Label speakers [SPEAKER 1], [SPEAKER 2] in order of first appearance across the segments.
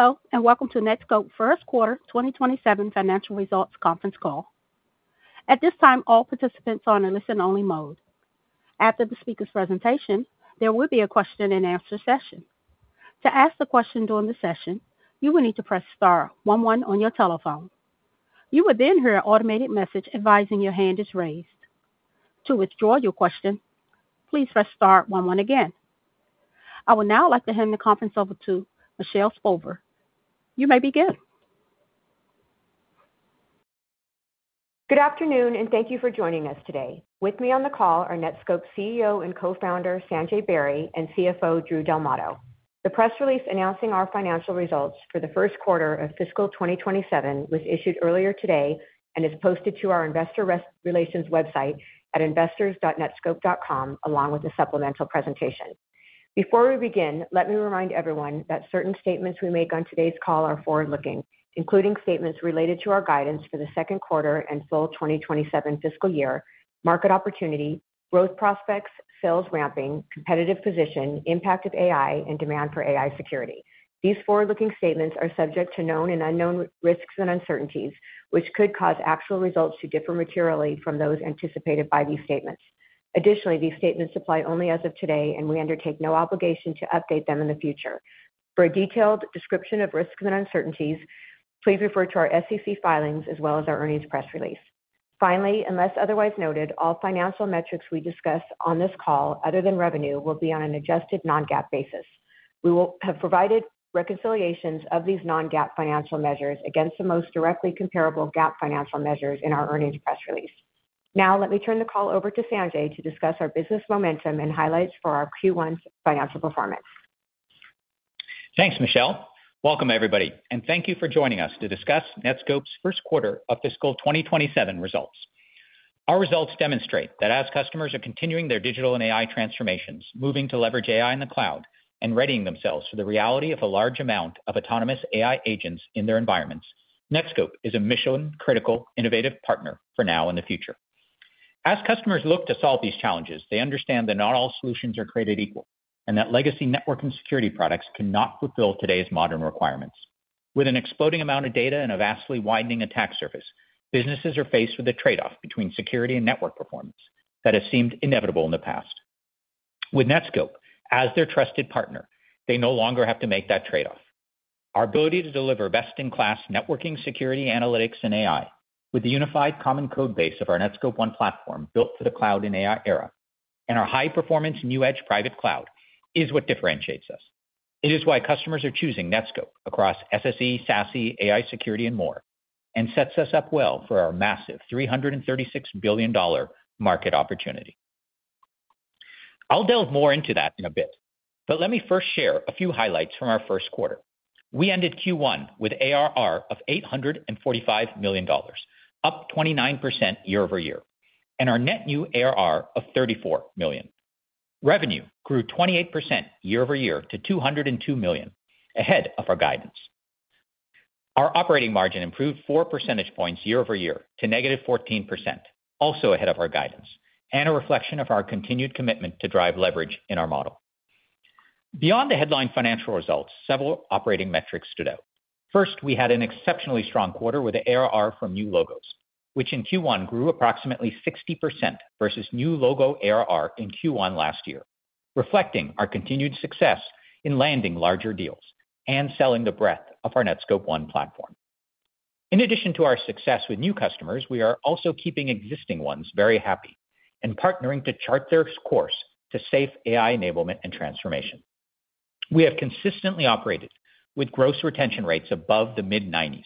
[SPEAKER 1] Hello, and welcome to Netskope First Quarter 2027 Financial Results conference call. At this time, all participants are in listen only mode. After the speaker's presentation, there will be a question-and-answer session. To ask the question during the session, you will need to press star one one on your telephone. You will then hear an automated message advising your hand is raised. To withdraw your question, please press star one one again. I would now like to hand the conference over to Michelle Spolver. You may begin.
[SPEAKER 2] Good afternoon, and thank you for joining us today. With me on the call are Netskope CEO and Co-Founder, Sanjay Beri, and CFO, Drew Del Matto. The press release announcing our financial results for the first quarter of fiscal 2027 was issued earlier today and is posted to our investor relations website at investors.netskope.com along with the supplemental presentation. Before we begin, let me remind everyone that certain statements we make on today's call are forward-looking, including statements related to our guidance for the second quarter and full 2027 fiscal year, market opportunity, growth prospects, sales ramping, competitive position, impact of AI, and demand for AI security. These forward-looking statements are subject to known and unknown risks and uncertainties, which could cause actual results to differ materially from those anticipated by these statements. Additionally, these statements apply only as of today, and we undertake no obligation to update them in the future. For a detailed description of risks and uncertainties, please refer to our SEC filings as well as our earnings press release. Finally, unless otherwise noted, all financial metrics we discuss on this call, other than revenue, will be on an adjusted non-GAAP basis. We will have provided reconciliations of these non-GAAP financial measures against the most directly comparable GAAP financial measures in our earnings press release. Now, let me turn the call over to Sanjay to discuss our business momentum and highlights for our Q1's financial performance.
[SPEAKER 3] Thanks, Michelle. Welcome, everybody, and thank you for joining us to discuss Netskope's First Quarter of Fiscal 2027 Results. Our results demonstrate that as customers are continuing their digital and AI transformations, moving to leverage AI in the cloud, and readying themselves for the reality of a large amount of autonomous AI agents in their environments, Netskope is a mission-critical innovative partner for now and the future. As customers look to solve these challenges, they understand that not all solutions are created equal, and that legacy network and security products cannot fulfill today's modern requirements. With an exploding amount of data and a vastly widening attack surface, businesses are faced with a trade-off between security and network performance that has seemed inevitable in the past. With Netskope as their trusted partner, they no longer have to make that trade-off. Our ability to deliver best-in-class networking, security, analytics, and AI with the unified common code base of our Netskope One platform built for the cloud and AI era, and our high-performance NewEdge private cloud is what differentiates us. It is why customers are choosing Netskope across SSE, SASE, AI security, and more, and sets us up well for our massive $336 billion market opportunity. I'll delve more into that in a bit, but let me first share a few highlights from our first quarter. We ended Q1 with ARR of $845 million, up 29% year-over-year, and our net new ARR of $34 million. Revenue grew 28% year-over-year to $202 million, ahead of our guidance. Our operating margin improved four percentage points year-over-year to -14%, also ahead of our guidance and a reflection of our continued commitment to drive leverage in our model. Beyond the headline financial results, several operating metrics stood out. First, we had an exceptionally strong quarter with the ARR from new logos, which in Q1 grew approximately 60% versus new logo ARR in Q1 last year, reflecting our continued success in landing larger deals and selling the breadth of our Netskope One platform. In addition to our success with new customers, we are also keeping existing ones very happy and partnering to chart their course to safe AI enablement and transformation. We have consistently operated with gross retention rates above the mid-nineties,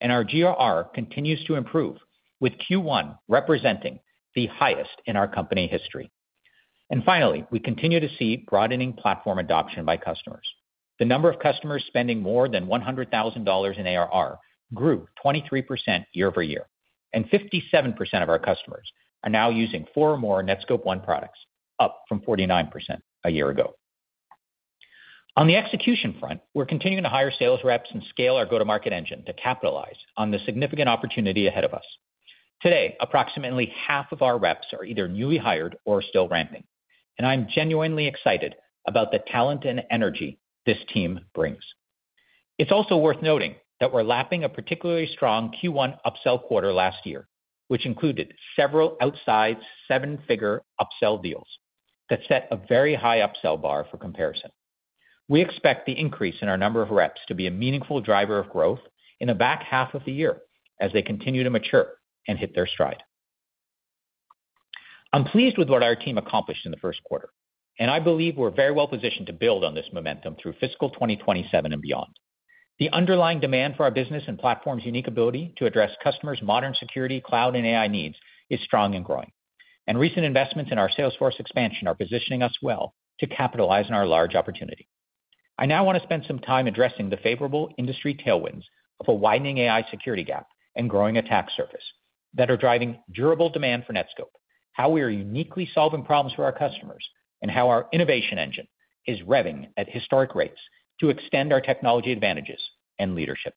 [SPEAKER 3] and our GRR continues to improve, with Q1 representing the highest in our company history. Finally, we continue to see broadening platform adoption by customers. The number of customers spending more than $100,000 in ARR grew 23% year-over-year. 57% of our customers are now using four or more Netskope One products, up from 49% a year ago. On the execution front, we're continuing to hire sales reps and scale our go-to-market engine to capitalize on the significant opportunity ahead of us. Today, approximately half of our reps are either newly hired or still ramping. I'm genuinely excited about the talent and energy this team brings. It's also worth noting that we're lapping a particularly strong Q1 upsell quarter last year, which included several outside seven-figure upsell deals that set a very high upsell bar for comparison. We expect the increase in our number of reps to be a meaningful driver of growth in the back half of the year as they continue to mature and hit their stride. I'm pleased with what our team accomplished in the first quarter. I believe we're very well positioned to build on this momentum through fiscal 2027 and beyond. The underlying demand for our business and platform's unique ability to address customers' modern security, cloud, and AI needs is strong and growing. I now want to spend some time addressing the favorable industry tailwinds of a widening AI security gap and growing attack surface that are driving durable demand for Netskope, how we are uniquely solving problems for our customers, and how our innovation engine is revving at historic rates to extend our technology advantages and leadership.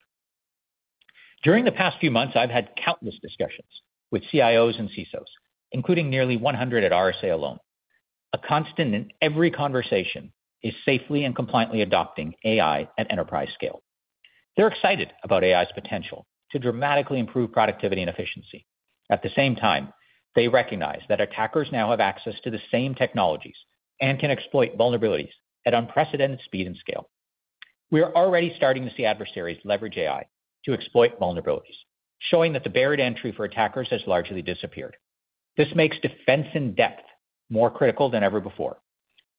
[SPEAKER 3] During the past few months, I've had countless discussions with CIOs and CISOs, including nearly 100 at RSA alone. A constant in every conversation is safely and compliantly adopting AI at enterprise scale. They're excited about AI's potential to dramatically improve productivity and efficiency. At the same time, they recognize that attackers now have access to the same technologies and can exploit vulnerabilities at unprecedented speed and scale. We are already starting to see adversaries leverage AI to exploit vulnerabilities, showing that the barrier to entry for attackers has largely disappeared. This makes defense in depth more critical than ever before.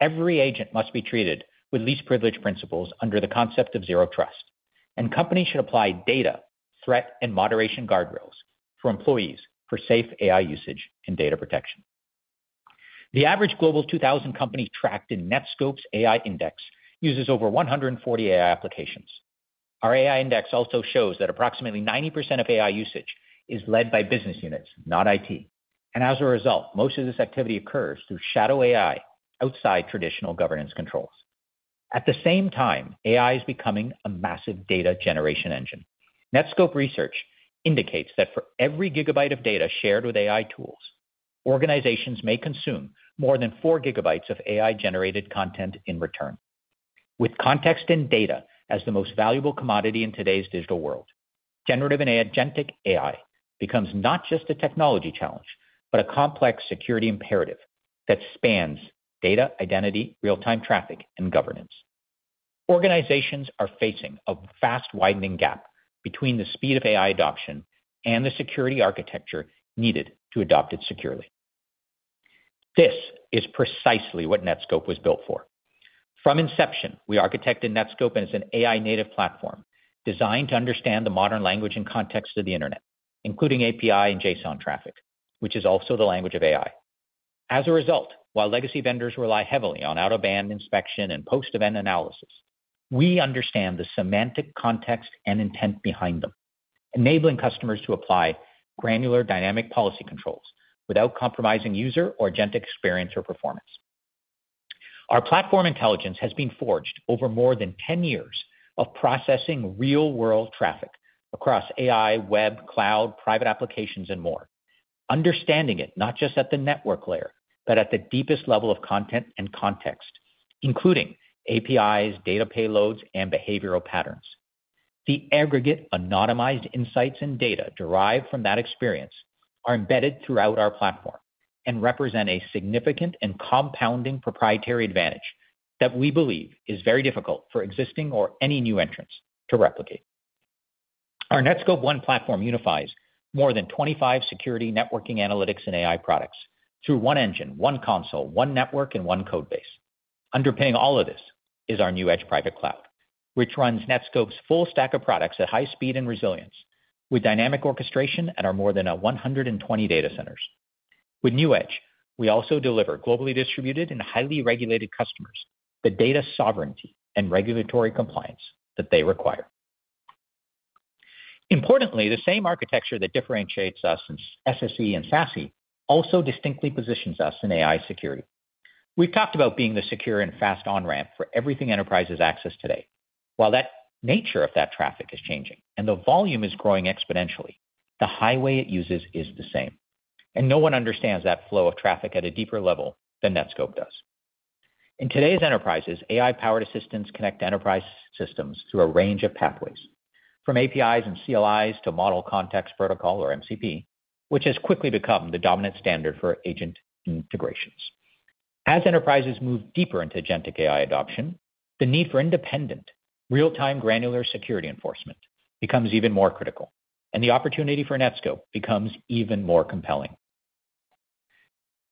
[SPEAKER 3] Every agent must be treated with least privilege principles under the concept of Zero Trust, and companies should apply data, threat, and moderation guardrails for employees for safe AI usage and data protection. The average Global 2000 company tracked in Netskope's AI Index uses over 140 AI applications. Our AI Index also shows that approximately 90% of AI usage is led by business units, not IT. As a result, most of this activity occurs through shadow AI outside traditional governance controls. At the same time, AI is becoming a massive data generation engine. Netskope research indicates that for every gigabyte of data shared with AI tools, organizations may consume more than four gigabytes of AI-generated content in return. With context and data as the most valuable commodity in today's digital world, generative and agentic AI becomes not just a technology challenge, but a complex security imperative that spans data, identity, real-time traffic, and governance. Organizations are facing a fast-widening gap between the speed of AI adoption and the security architecture needed to adopt it securely. This is precisely what Netskope was built for. From inception, we architected Netskope as an AI-native platform designed to understand the modern language and context of the internet, including API and JSON traffic, which is also the language of AI. As a result, while legacy vendors rely heavily on out-of-band inspection and post-event analysis, we understand the semantic context and intent behind them, enabling customers to apply granular dynamic policy controls without compromising user or agent experience or performance. Our platform intelligence has been forged over more than 10 years of processing real-world traffic across AI, web, cloud, private applications, and more, understanding it not just at the network layer, but at the deepest level of content and context, including APIs, data payloads, and behavioral patterns. The aggregate anonymized insights and data derived from that experience are embedded throughout our platform and represent a significant and compounding proprietary advantage that we believe is very difficult for existing or any new entrants to replicate. Our Netskope One platform unifies more than 25 security, networking, analytics, and AI products through one engine, one console, one network, and one code base. Underpinning all of this is our NewEdge private cloud, which runs Netskope's full stack of products at high speed and resilience with dynamic orchestration in our more than 120 data centers. With NewEdge, we also deliver globally distributed and highly regulated customers the data sovereignty and regulatory compliance that they require. Importantly, the same architecture that differentiates us in SSE and SASE also distinctly positions us in AI security. We've talked about being the secure and fast on-ramp for everything enterprises access today. While that nature of that traffic is changing and the volume is growing exponentially, the highway it uses is the same, and no one understands that flow of traffic at a deeper level than Netskope does. In today's enterprises, AI-powered assistants connect enterprise systems through a range of pathways, from APIs and CLIs to Model Context Protocol, or MCP, which has quickly become the dominant standard for agent integrations. As enterprises move deeper into Agentic AI adoption, the need for independent, real-time, granular security enforcement becomes even more critical, and the opportunity for Netskope becomes even more compelling.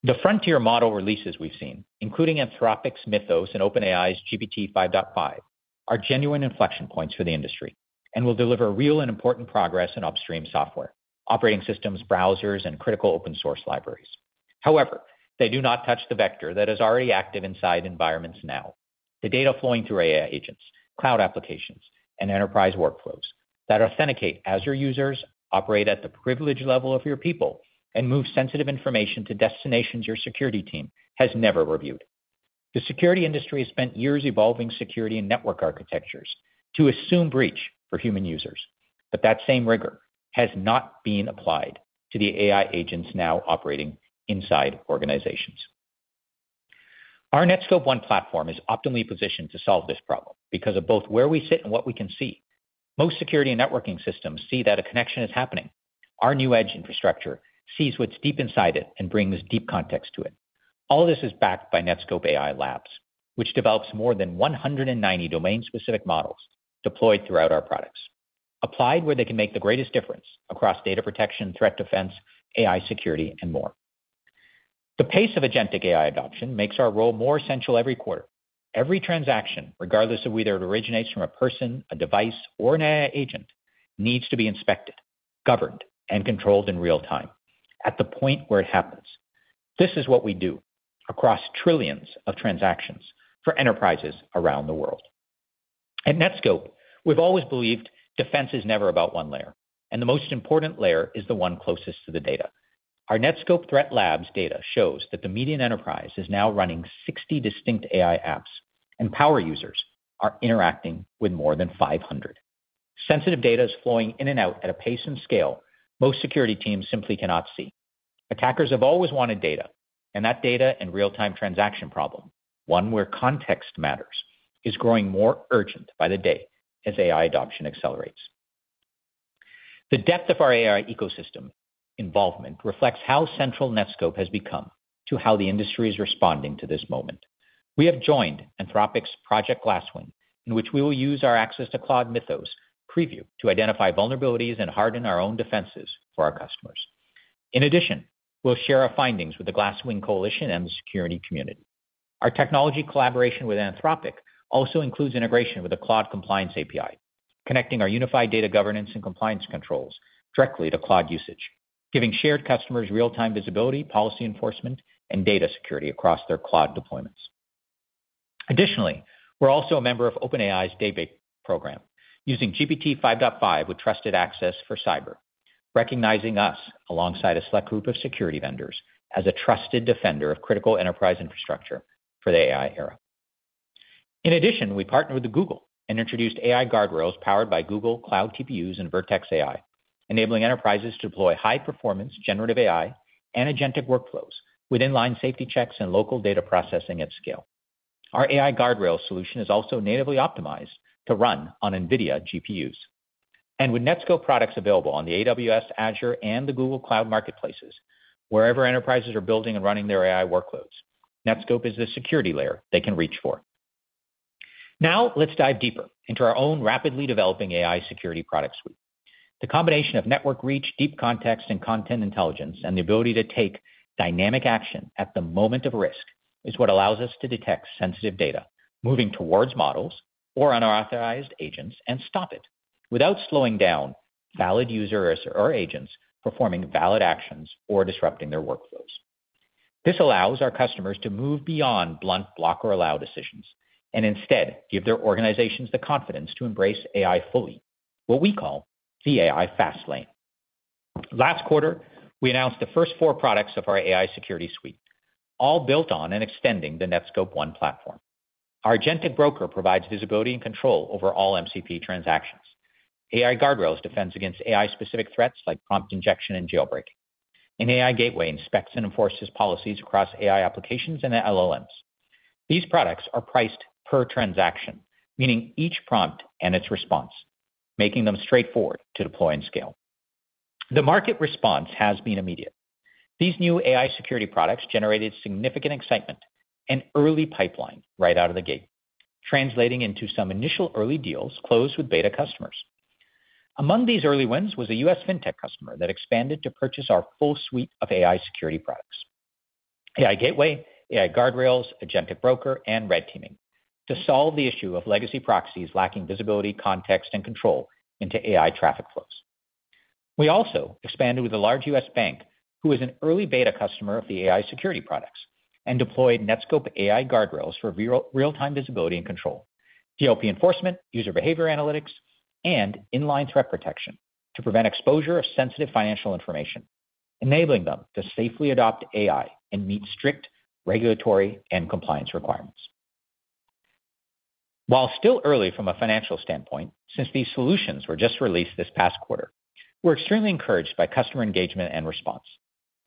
[SPEAKER 3] The frontier model releases we've seen, including Anthropic's Mythos and OpenAI's GPT-5.5, are genuine inflection points for the industry and will deliver real and important progress in upstream software, operating systems, browsers, and critical open-source libraries. However, they do not touch the vector that is already active inside environments now. The data flowing through AI agents, cloud applications, and enterprise workflows that authenticate as your users, operate at the privilege level of your people, and move sensitive information to destinations your security team has never reviewed. The security industry has spent years evolving security and network architectures to assume breach for human users, but that same rigor has not been applied to the AI agents now operating inside organizations. Our Netskope One platform is optimally positioned to solve this problem because of both where we sit and what we can see. Most security and networking systems see that a connection is happening. Our NewEdge infrastructure sees what's deep inside it and brings deep context to it. All this is backed by Netskope AI Labs, which develops more than 190 domain-specific models deployed throughout our products, applied where they can make the greatest difference across data protection, threat defense, AI security, and more. The pace of agentic AI adoption makes our role more essential every quarter. Every transaction, regardless of whether it originates from a person, a device, or an AI agent, needs to be inspected, governed, and controlled in real time at the point where it happens. This is what we do across trillions of transactions for enterprises around the world. At Netskope, we've always believed defense is never about one layer, and the most important layer is the one closest to the data. Our Netskope Threat Labs data shows that the median enterprise is now running 60 distinct AI apps, and power users are interacting with more than 500. Sensitive data is flowing in and out at a pace and scale most security teams simply cannot see. That data and real-time transaction problem, one where context matters, is growing more urgent by the day as AI adoption accelerates. The depth of our AI ecosystem involvement reflects how central Netskope has become to how the industry is responding to this moment. We have joined Anthropic's Project Glasswing, in which we will use our access to Claude Mythos Preview to identify vulnerabilities and harden our own defenses for our customers. In addition, we'll share our findings with the Glasswing Coalition and the security community. Our technology collaboration with Anthropic also includes integration with the Claude Compliance API, connecting our unified data governance and compliance controls directly to Claude usage, giving shared customers real-time visibility, policy enforcement, and data security across their Claude deployments. Additionally, we're also a member of OpenAI's Data Program, using GPT-5.5 with trusted access for cyber, recognizing us alongside a select group of security vendors as a trusted defender of critical enterprise infrastructure for the AI era. In addition, we partnered with Google and introduced AI Guardrails powered by Google Cloud TPUs and Vertex AI, enabling enterprises to deploy high-performance generative AI and agentic workflows with inline safety checks and local data processing at scale. Our AI Guardrails solution is also natively optimized to run on NVIDIA GPUs. With Netskope products available on the AWS, Azure, and the Google Cloud marketplaces, wherever enterprises are building and running their AI workloads, Netskope is the security layer they can reach for. Now, let's dive deeper into our own rapidly developing AI security product suite. The combination of network reach, deep context, and content intelligence, and the ability to take dynamic action at the moment of risk, is what allows us to detect sensitive data moving towards models or unauthorized agents, and stop it without slowing down valid users or agents performing valid actions or disrupting their workflows. This allows our customers to move beyond blunt block or allow decisions and instead give their organizations the confidence to embrace AI fully, what we call the AI Fast Lane. Last quarter, we announced the first four products of our AI security suite, all built on and extending the Netskope One Platform. Our Agentic Broker provides visibility and control over all MCP transactions. AI Guardrails defends against AI-specific threats like prompt injection and jailbreaking. AI Gateway inspects and enforces policies across AI applications and LLMs. These products are priced per transaction, meaning each prompt and its response, making them straightforward to deploy and scale. The market response has been immediate. These new AI security products generated significant excitement and early pipeline right out of the gate, translating into some initial early deals closed with beta customers. Among these early wins was a U.S. fintech customer that expanded to purchase our full suite of AI security products, AI Gateway, AI Guardrails, Agentic Broker, and Red Teaming, to solve the issue of legacy proxies lacking visibility, context, and control into AI traffic flows. We also expanded with a large U.S. bank who was an early beta customer of the AI security products and deployed Netskope AI Guardrails for real-time visibility and control, DLP enforcement, user behavior analytics, and inline threat protection to prevent exposure of sensitive financial information, enabling them to safely adopt AI and meet strict regulatory and compliance requirements. While still early from a financial standpoint, since these solutions were just released this past quarter, we're extremely encouraged by customer engagement and response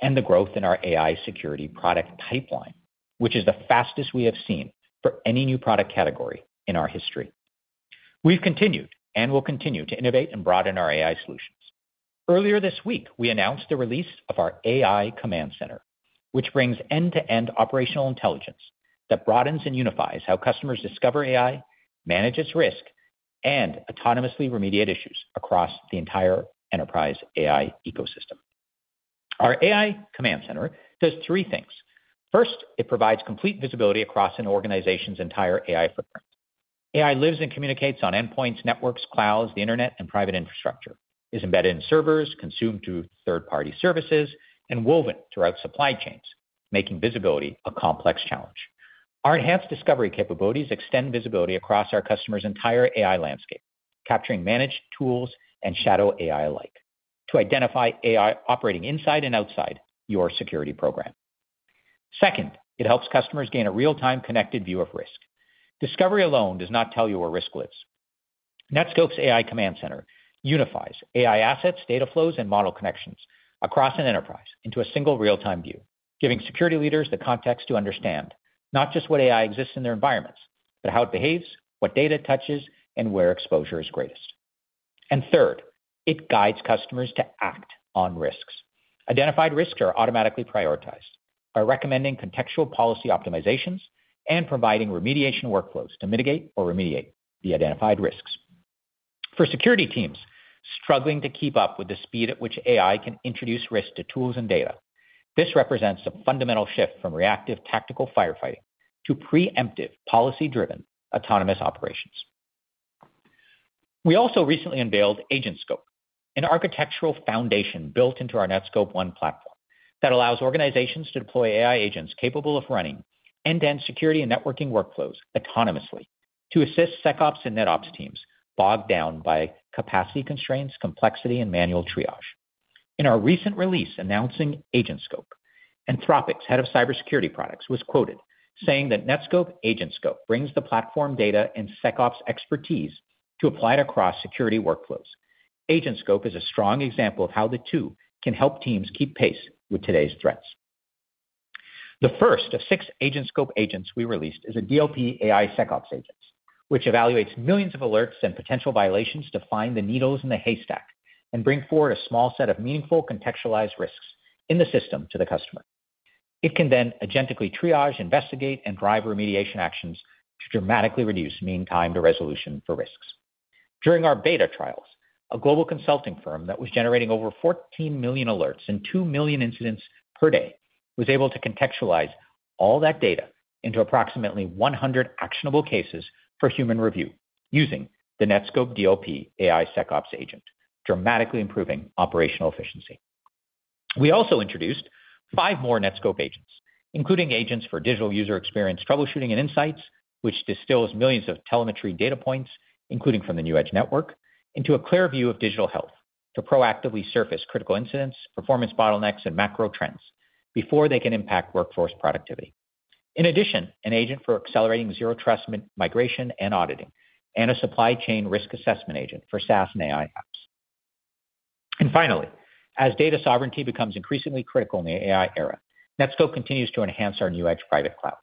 [SPEAKER 3] and the growth in our AI security product pipeline, which is the fastest we have seen for any new product category in our history. We've continued and will continue to innovate and broaden our AI solutions. Earlier this week, we announced the release of our AI Command Center, which brings end-to-end operational intelligence that broadens and unifies how customers discover AI, manage its risk, and autonomously remediate issues across the entire enterprise AI ecosystem. Our AI Command Center does three things. First, it provides complete visibility across an organization's entire AI footprint. AI lives and communicates on endpoints, networks, clouds, the internet, and private infrastructure, is embedded in servers, consumed through third-party services, and woven throughout supply chains, making visibility a complex challenge. Our enhanced discovery capabilities extend visibility across our customers' entire AI landscape, capturing managed tools and shadow AI alike to identify AI operating inside and outside your security program. It helps customers gain a real-time connected view of risk. Discovery alone does not tell you where risk lives. Netskope's AI Command Center unifies AI assets, data flows, and model connections across an enterprise into a single real-time view, giving security leaders the context to understand not just what AI exists in their environments, but how it behaves, what data it touches, and where exposure is greatest. Third, it guides customers to act on risks. Identified risks are automatically prioritized by recommending contextual policy optimizations and providing remediation workflows to mitigate or remediate the identified risks. For security teams struggling to keep up with the speed at which AI can introduce risk to tools and data, this represents a fundamental shift from reactive tactical firefighting to preemptive policy-driven autonomous operations. We also recently unveiled AgentSkope, an architectural foundation built into our Netskope One platform that allows organizations to deploy AI agents capable of running end-to-end security and networking workflows autonomously. To assist SecOps and NetOps teams bogged down by capacity constraints, complexity, and manual triage. In our recent release announcing AgentSkope, Anthropic's head of cybersecurity products was quoted saying that Netskope AgentSkope brings the platform data and SecOps expertise to apply it across security workflows. AgentSkope is a strong example of how the two can help teams keep pace with today's threats. The first of six AgentSkope agents we released is a DLP AISecOps agent, which evaluates millions of alerts and potential violations to find the needles in the haystack and bring forward a small set of meaningful contextualized risks in the system to the customer. It can then agentically triage, investigate, and drive remediation actions to dramatically reduce mean time to resolution for risks. During our beta trials, a global consulting firm that was generating over 14 million alerts and 2 million incidents per day was able to contextualize all that data into approximately 100 actionable cases for human review using the Netskope DLP AISecOps agent, dramatically improving operational efficiency. We also introduced five more Netskope agents, including agents for digital user experience troubleshooting and insights, which distills millions of telemetry data points, including from the NewEdge network, into a clear view of digital health to proactively surface critical incidents, performance bottlenecks, and macro trends before they can impact workforce productivity. In addition, an agent for accelerating Zero Trust migration and auditing, and a supply chain risk assessment agent for SaaS and AI apps. Finally, as data sovereignty becomes increasingly critical in the AI era, Netskope continues to enhance our NewEdge private cloud.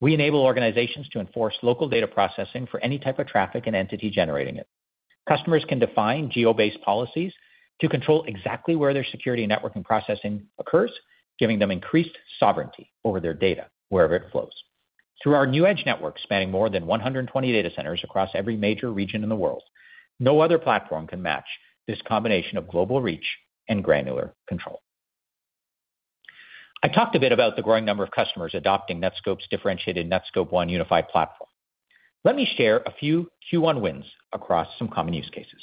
[SPEAKER 3] We enable organizations to enforce local data processing for any type of traffic and entity generating it. Customers can define geo-based policies to control exactly where their security networking processing occurs, giving them increased sovereignty over their data wherever it flows. Through our NewEdge network spanning more than 120 data centers across every major region in the world, no other platform can match this combination of global reach and granular control. I talked a bit about the growing number of customers adopting Netskope's differentiated Netskope One unified platform. Let me share a few Q1 wins across some common use cases.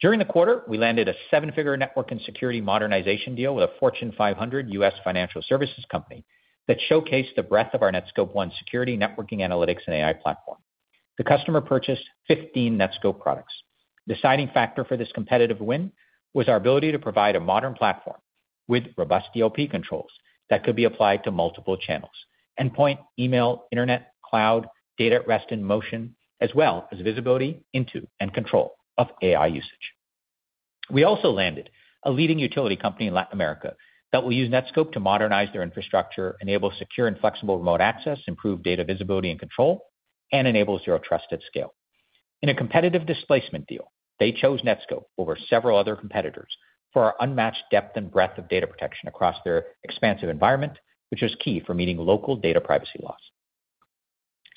[SPEAKER 3] During the quarter, we landed a seven-figure network and security modernization deal with a Fortune 500 U.S. financial services company that showcased the breadth of our Netskope One security networking, analytics, and AI platform. The customer purchased 15 Netskope products. The deciding factor for this competitive win was our ability to provide a modern platform with robust DLP controls that could be applied to multiple channels: endpoint, email, internet, cloud, data at rest and motion, as well as visibility into and control of AI usage. We also landed a leading utility company in Latin America that will use Netskope to modernize their infrastructure, enable secure and flexible remote access, improve data visibility and control, and enable Zero Trust at scale. In a competitive displacement deal, they chose Netskope over several other competitors for our unmatched depth and breadth of data protection across their expansive environment, which was key for meeting local data privacy laws.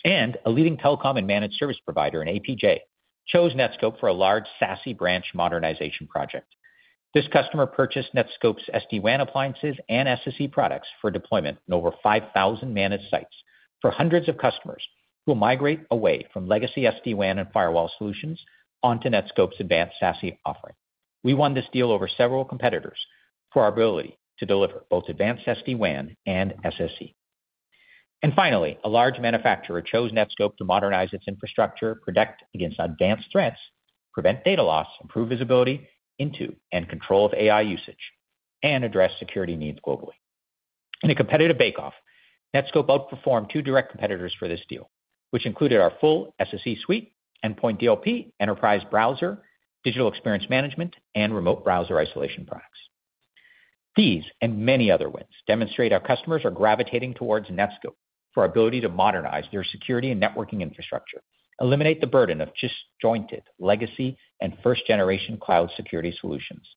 [SPEAKER 3] A leading telecom and managed service provider in APJ chose Netskope for a large SASE branch modernization project. This customer purchased Netskope's SD-WAN appliances and SSE products for deployment in over 5,000 managed sites for hundreds of customers who will migrate away from legacy SD-WAN and firewall solutions onto Netskope's advanced SASE offering. We won this deal over several competitors for our ability to deliver both advanced SD-WAN and SSE. Finally, a large manufacturer chose Netskope to modernize its infrastructure, protect against advanced threats, prevent data loss, improve visibility into and control of AI usage, and address security needs globally. In a competitive bake-off, Netskope outperformed two direct competitors for this deal, which included our full SSE suite, endpoint DLP, Enterprise Browser, Digital Experience Management, and Remote Browser Isolation products. These and many other wins demonstrate our customers are gravitating towards Netskope for our ability to modernize their security and networking infrastructure, eliminate the burden of disjointed legacy and first-generation cloud security solutions,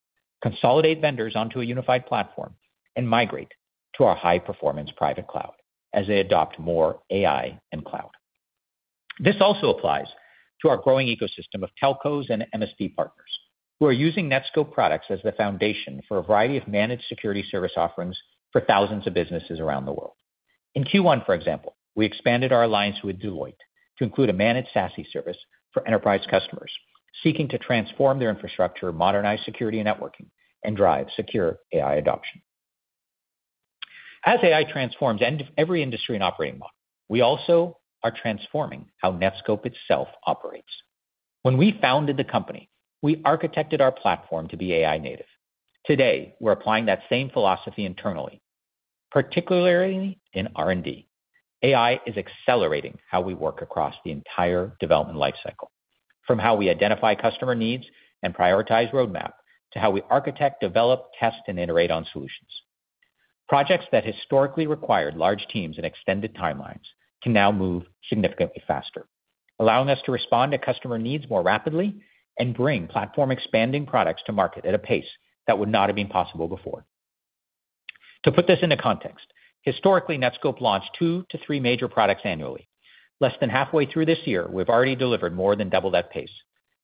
[SPEAKER 3] consolidate vendors onto a unified platform, and migrate to our high-performance private cloud as they adopt more AI and cloud. This also applies to our growing ecosystem of telcos and MSP partners who are using Netskope products as the foundation for a variety of managed security service offerings for thousands of businesses around the world. In Q1, for example, we expanded our alliance with Deloitte to include a managed SASE service for enterprise customers seeking to transform their infrastructure, modernize security and networking, and drive secure AI adoption. As AI transforms every industry and operating model, we also are transforming how Netskope itself operates. When we founded the company, we architected our platform to be AI native. Today, we're applying that same philosophy internally, particularly in R&D. AI is accelerating how we work across the entire development life cycle, from how we identify customer needs and prioritize roadmap to how we architect, develop, test, and iterate on solutions. Projects that historically required large teams and extended timelines can now move significantly faster, allowing us to respond to customer needs more rapidly and bring platform-expanding products to market at a pace that would not have been possible before. To put this into context, historically, Netskope launched two to three major products annually. Less than halfway through this year, we've already delivered more than double that pace.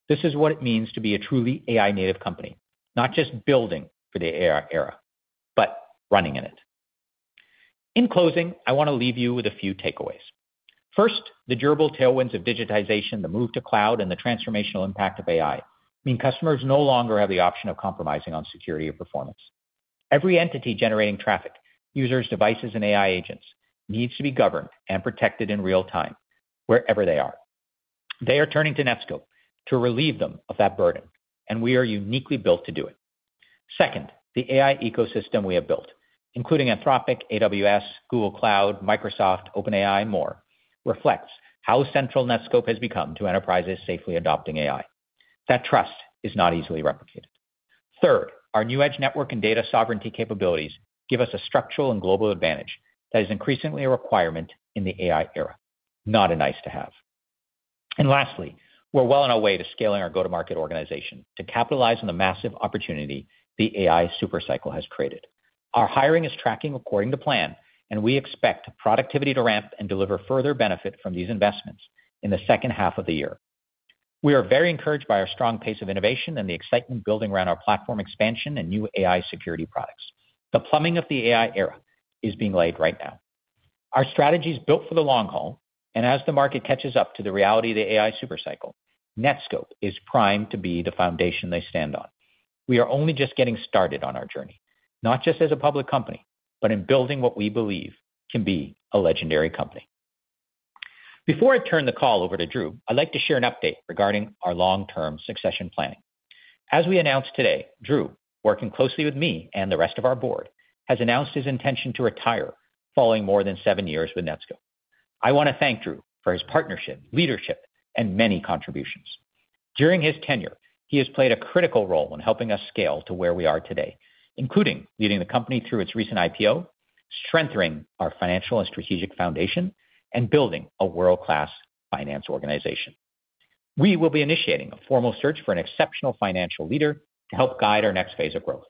[SPEAKER 3] This is what it means to be a truly AI-native company, not just building for the AI era, but running in it. In closing, I want to leave you with a few takeaways. First, the durable tailwinds of digitization, the move to cloud, and the transformational impact of AI mean customers no longer have the option of compromising on security or performance. Every entity generating traffic, users, devices, and AI agents, needs to be governed and protected in real time wherever they are. They are turning to Netskope to relieve them of that burden, and we are uniquely built to do it. The AI ecosystem we have built, including Anthropic, AWS, Google Cloud, Microsoft, OpenAI, and more, reflects how central Netskope has become to enterprises safely adopting AI. That trust is not easily replicated. Our NewEdge network and data sovereignty capabilities give us a structural and global advantage that is increasingly a requirement in the AI era, not a nice-to-have. Lastly, we're well on our way to scaling our go-to-market organization to capitalize on the massive opportunity the AI super cycle has created. Our hiring is tracking according to plan, we expect productivity to ramp and deliver further benefit from these investments in the second half of the year. We are very encouraged by our strong pace of innovation and the excitement building around our platform expansion and new AI security products. The plumbing of the AI era is being laid right now. Our strategy's built for the long haul, and as the market catches up to the reality of the AI super cycle, Netskope is primed to be the foundation they stand on. We are only just getting started on our journey, not just as a public company, but in building what we believe can be a legendary company. Before I turn the call over to Drew, I'd like to share an update regarding our long-term succession planning. As we announced today, Drew, working closely with me and the rest of our board, has announced his intention to retire following more than seven years with Netskope. I want to thank Drew for his partnership, leadership, and many contributions. During his tenure, he has played a critical role in helping us scale to where we are today, including leading the company through its recent IPO, strengthening our financial and strategic foundation, and building a world-class finance organization. We will be initiating a formal search for an exceptional financial leader to help guide our next phase of growth.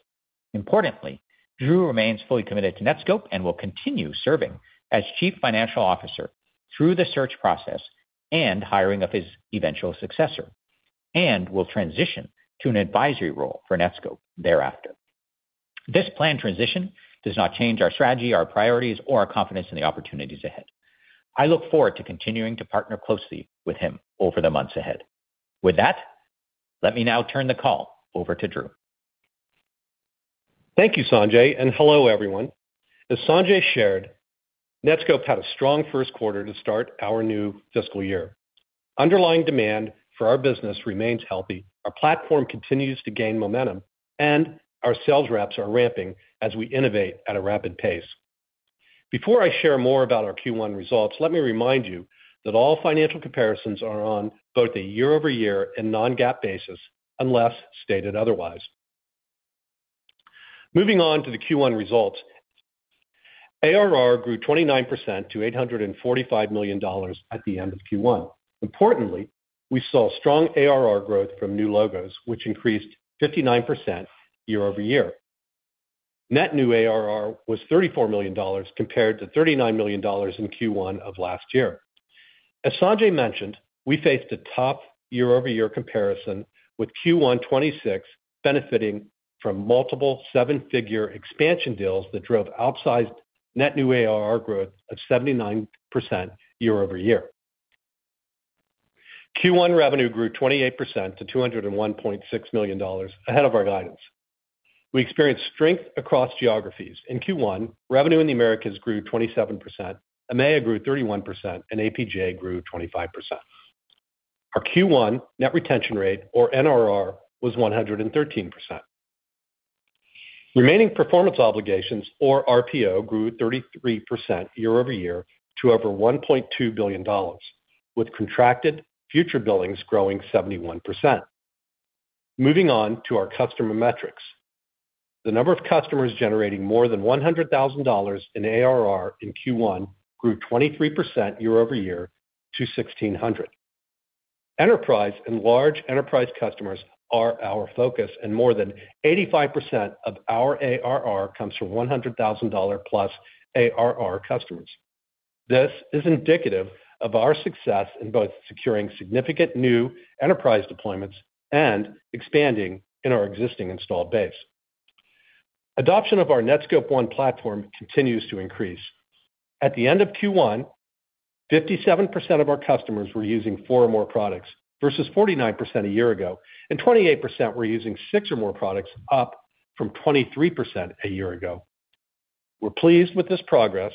[SPEAKER 3] Importantly, Drew remains fully committed to Netskope and will continue serving as Chief Financial Officer through the search process and hiring of his eventual successor, and will transition to an advisory role for Netskope thereafter. This planned transition does not change our strategy, our priorities, or our confidence in the opportunities ahead. I look forward to continuing to partner closely with him over the months ahead. With that, let me now turn the call over to Drew.
[SPEAKER 4] Thank you, Sanjay. Hello, everyone. As Sanjay shared, Netskope had a strong first quarter to start our new fiscal year. Underlying demand for our business remains healthy. Our platform continues to gain momentum, and our sales reps are ramping as we innovate at a rapid pace. Before I share more about our Q1 results, let me remind you that all financial comparisons are on both a year-over-year and non-GAAP basis, unless stated otherwise. Moving on to the Q1 results. ARR grew 29% to $845 million at the end of Q1. Importantly, we saw strong ARR growth from new logos, which increased 59% year-over-year. Net new ARR was $34 million compared to $39 million in Q1 of last year. As Sanjay mentioned, we faced a tough year-over-year comparison with Q1 2026 benefiting from multiple seven-figure expansion deals that drove outsized net new ARR growth of 79% year-over-year. Q1 revenue grew 28% to $201.6 million ahead of our guidance. We experienced strength across geographies. In Q1, revenue in the Americas grew 27%, EMEA grew 31%, and APJ grew 25%. Our Q1 net retention rate, or NRR, was 113%. Remaining performance obligations, or RPO, grew 33% year-over-year to over $1.2 billion, with contracted future billings growing 71%. Moving on to our customer metrics. The number of customers generating more than $100,000 in ARR in Q1 grew 23% year-over-year to 1,600. Enterprise and large enterprise customers are our focus, and more than 85% of our ARR comes from $100,000-plus ARR customers. This is indicative of our success in both securing significant new enterprise deployments and expanding in our existing installed base. Adoption of our Netskope One platform continues to increase. At the end of Q1, 57% of our customers were using four or more products versus 49% a year ago, and 28% were using six or more products, up from 23% a year ago. We're pleased with this progress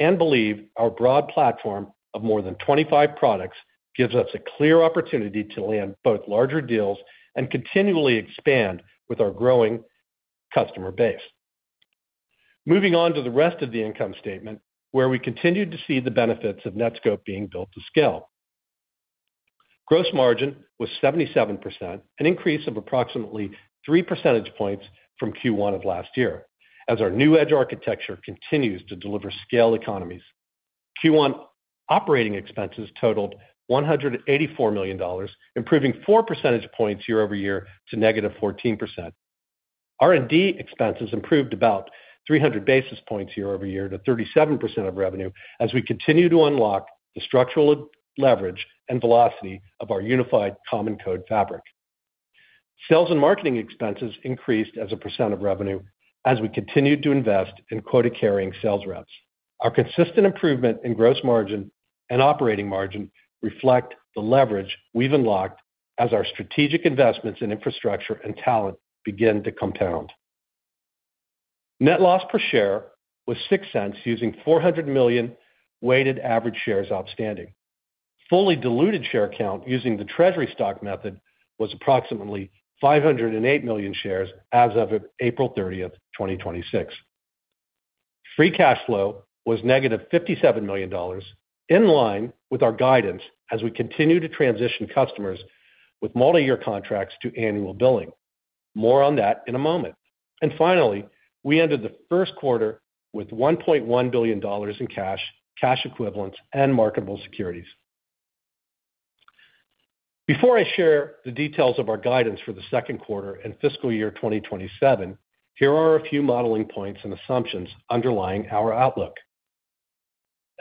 [SPEAKER 4] and believe our broad platform of more than 25 products gives us a clear opportunity to land both larger deals and continually expand with our growing customer base. Moving on to the rest of the income statement, where we continued to see the benefits of Netskope being built to scale. Gross margin was 77%, an increase of approximately three percentage points from Q1 of last year as our NewEdge architecture continues to deliver scale economies. Q1 operating expenses totaled $184 million, improving four percentage points year over year to -14%. R&D expenses improved about 300 basis points year over year to 37% of revenue as we continue to unlock the structural leverage and velocity of our unified common code fabric. Sales and marketing expenses increased as a percent of revenue as we continued to invest in quota-carrying sales reps. Our consistent improvement in gross margin and operating margin reflect the leverage we've unlocked as our strategic investments in infrastructure and talent begin to compound. Net loss per share was $0.06 using 400 million weighted average shares outstanding. Fully diluted share count using the treasury stock method was approximately 508 million shares as of April 30th, 2026. Free cash flow was -$57 million, in line with our guidance, as we continue to transition customers with multi-year contracts to annual billing. More on that in a moment. Finally, we ended the first quarter with $1.1 billion in cash equivalents, and marketable securities. Before I share the details of our guidance for the second quarter and fiscal year 2027, here are a few modeling points and assumptions underlying our outlook.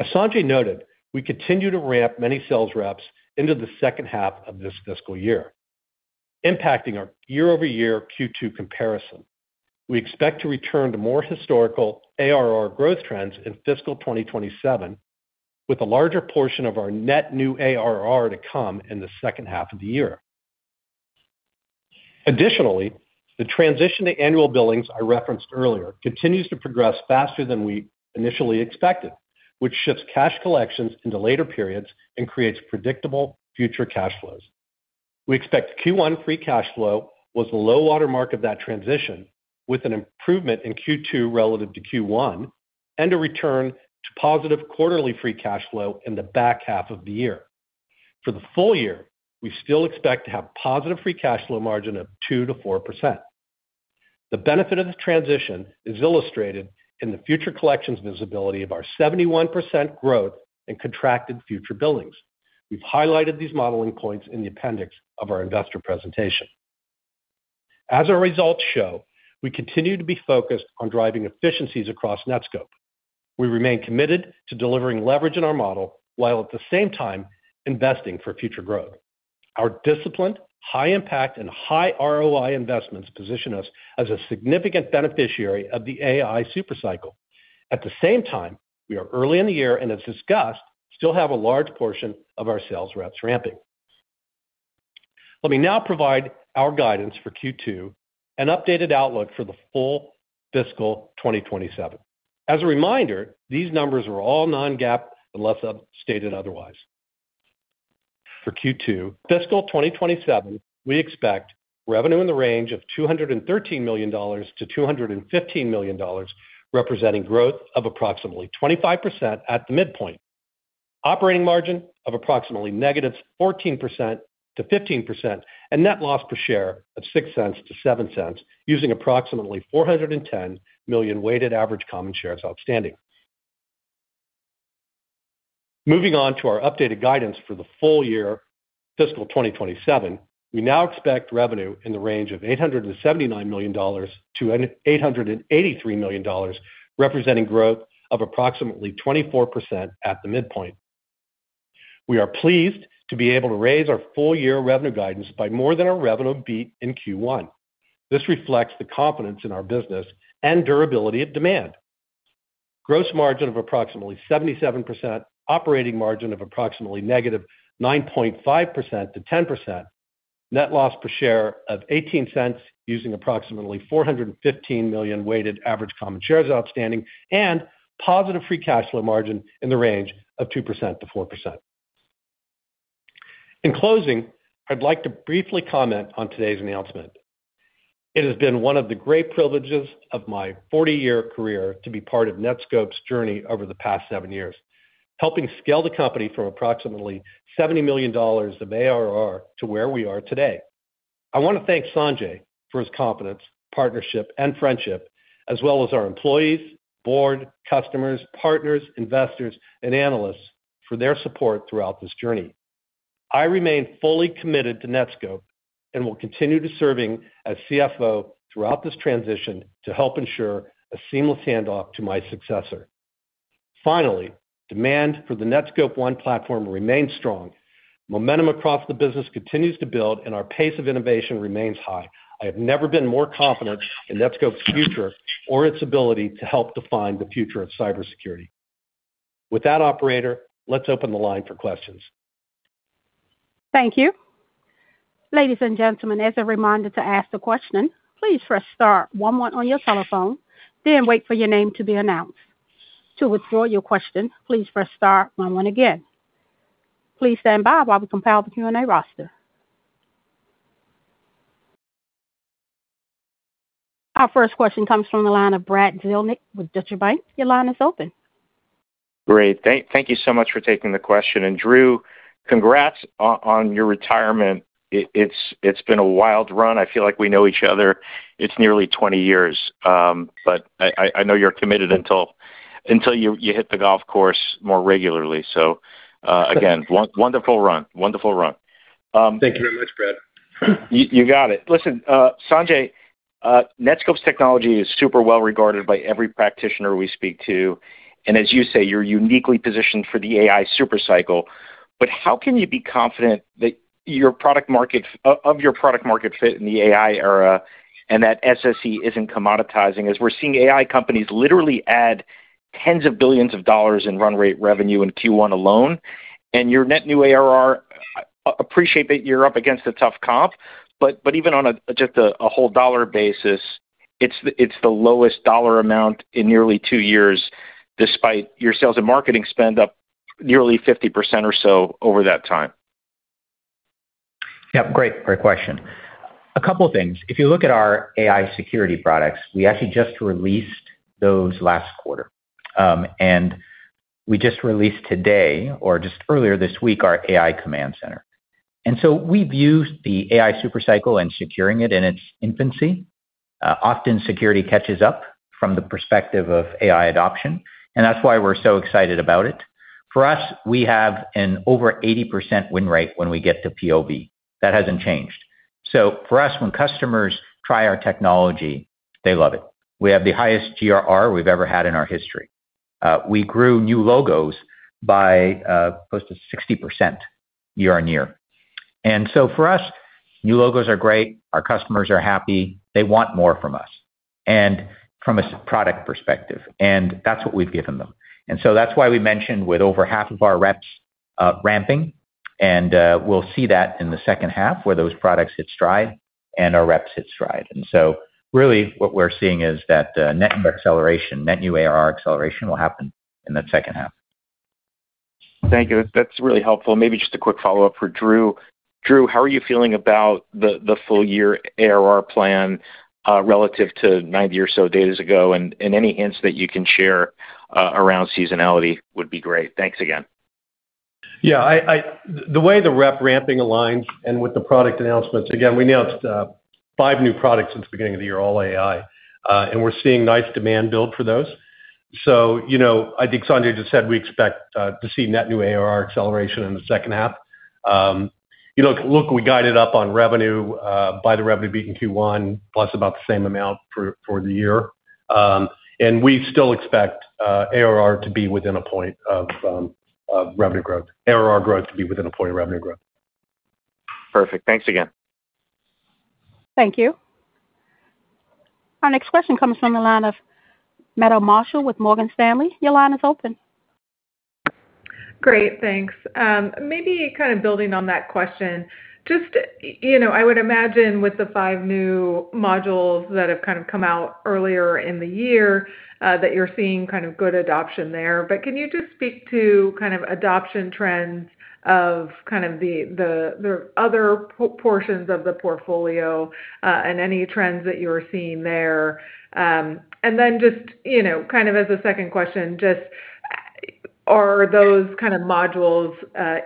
[SPEAKER 4] As Sanjay noted, we continue to ramp many sales reps into the second half of this fiscal year, impacting our year-over-year Q2 comparison. We expect to return to more historical ARR growth trends in fiscal 2027, with a larger portion of our net new ARR to come in the second half of the year. Additionally, the transition to annual billings I referenced earlier continues to progress faster than we initially expected, which shifts cash collections into later periods and creates predictable future cash flows. We expect Q1 free cash flow was the low-water mark of that transition, with an improvement in Q2 relative to Q1, and a return to positive quarterly free cash flow in the back half of the year. For the full year, we still expect to have positive free cash flow margin of 2%-4%. The benefit of the transition is illustrated in the future collections visibility of our 71% growth in contracted future billings. We've highlighted these modeling points in the appendix of our investor presentation. As our results show, we continue to be focused on driving efficiencies across Netskope. We remain committed to delivering leverage in our model, while at the same time, investing for future growth. Our disciplined, high-impact, and high ROI investments position us as a significant beneficiary of the AI super cycle. At the same time, we are early in the year, and as discussed, still have a large portion of our sales reps ramping. Let me now provide our guidance for Q2 and updated outlook for the full fiscal 2027. As a reminder, these numbers are all non-GAAP unless stated otherwise. For Q2 fiscal 2027, we expect revenue in the range of $213 million-$215 million, representing growth of approximately 25% at the midpoint. Operating margin of approximately -14% to -15%, and net loss per share of $0.06 to $0.07, using approximately 410 million weighted average common shares outstanding. Moving on to our updated guidance for the full year fiscal 2027, we now expect revenue in the range of $879 million-$883 million, representing growth of approximately 24% at the midpoint. We are pleased to be able to raise our full-year revenue guidance by more than our revenue beat in Q1. This reflects the confidence in our business and durability of demand. Gross margin of approximately 77%, operating margin of approximately -9.5% to -10%, net loss per share of $0.18 using approximately 415 million weighted average common shares outstanding, and positive free cash flow margin in the range of 2%-4%. In closing, I'd like to briefly comment on today's announcement. It has been one of the great privileges of my 40-year career to be part of Netskope's journey over the past seven years, helping scale the company from approximately $70 million of ARR to where we are today. I want to thank Sanjay for his confidence, partnership, and friendship, as well as our employees, board, customers, partners, investors, and analysts for their support throughout this journey. I remain fully committed to Netskope and will continue to serving as CFO throughout this transition to help ensure a seamless handoff to my successor. Finally, demand for the Netskope One platform remains strong. Momentum across the business continues to build, and our pace of innovation remains high. I have never been more confident in Netskope's future or its ability to help define the future of cybersecurity. With that, operator, let's open the line for questions.
[SPEAKER 1] Thank you. Ladies and gentlemen, as a reminder to ask the question, please press star one one on your telephone, then wait for your name to be announced. To withdraw your question, please press star one one again. Please stand by while we compile the Q&A roster. Our first question comes from the line of Brad Zelnick with Deutsche Bank. Your line is open.
[SPEAKER 5] Great. Thank you so much for taking the question. Drew, congrats on your retirement. It's been a wild run. I feel like we know each other, it's nearly 20 years. I know you're committed until you hit the golf course more regularly. Again, wonderful run.
[SPEAKER 4] Thank you very much, Brad.
[SPEAKER 5] You got it. Listen, Sanjay, Netskope's technology is super well-regarded by every practitioner we speak to, and as you say, you're uniquely positioned for the AI super cycle, but how can you be confident of your product market fit in the AI era and that SSE isn't commoditizing, as we're seeing AI companies literally add tens of billions of dollars in run rate revenue in Q1 alone, and your net new ARR. Appreciate that you're up against a tough comp, but even on just a whole dollar basis, it's the lowest dollar amount in nearly two years, despite your sales and marketing spend up nearly 50% or so over that time.
[SPEAKER 3] Yeah. Great question. A couple of things. If you look at our AI security products, we actually just released those last quarter. We just released today or just earlier this week, our AI Command Center. We view the AI super cycle and securing it in its infancy. Often security catches up from the perspective of AI adoption, and that's why we're so excited about it. For us, we have an over 80% win rate when we get to POV. That hasn't changed. For us, when customers try our technology, they love it. We have the highest GRR we've ever had in our history. We grew new logos by close to 60% year-over-year. For us, new logos are great. Our customers are happy. They want more from us, and from a product perspective, and that's what we've given them. That's why we mentioned with over half of our reps ramping, and we'll see that in the second half where those products hit stride and our reps hit stride. Really what we're seeing is that net new acceleration, net new ARR acceleration will happen in that second half.
[SPEAKER 5] Thank you. That's really helpful. Maybe just a quick follow-up for Drew. Drew, how are you feeling about the full year ARR plan, relative to 90 or so days ago, and any hints that you can share around seasonality would be great. Thanks again.
[SPEAKER 4] Yeah. The way the rep ramping aligns with the product announcements, again, we announced five new products since the beginning of the year, all AI. We're seeing nice demand build for those. I think Sanjay just said we expect to see net new ARR acceleration in the second half. Look, we guided up on revenue by the revenue beat in Q1 plus about the same amount for the year. We still expect ARR to be within a point of revenue growth. ARR growth to be within a point of revenue growth.
[SPEAKER 5] Perfect. Thanks again.
[SPEAKER 1] Thank you. Our next question comes from the line of Meta Marshall with Morgan Stanley. Your line is open.
[SPEAKER 6] Great, thanks. Maybe building on that question, just I would imagine with the five new modules that have come out earlier in the year, that you're seeing good adoption there. Can you just speak to adoption trends of the other portions of the portfolio, and any trends that you're seeing there? As a second question, just are those kind of modules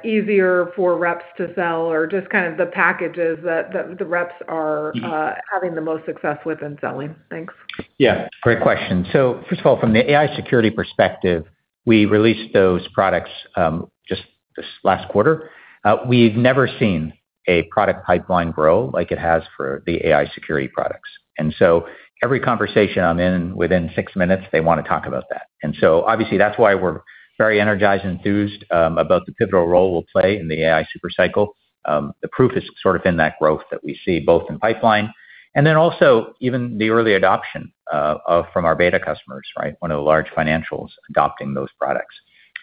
[SPEAKER 6] easier for reps to sell or just the packages that the reps are having the most success within selling? Thanks.
[SPEAKER 3] Yeah. Great question. First of all, from the AI security perspective, we released those products just this last quarter. We've never seen a product pipeline grow like it has for the AI security products. Every conversation I'm in, within six minutes, they want to talk about that. Obviously, that's why we're very energized and enthused about the pivotal role we'll play in the AI super cycle. The proof is in that growth that we see both in pipeline and then also even the early adoption from our beta customers. One of the large financials adopting those products.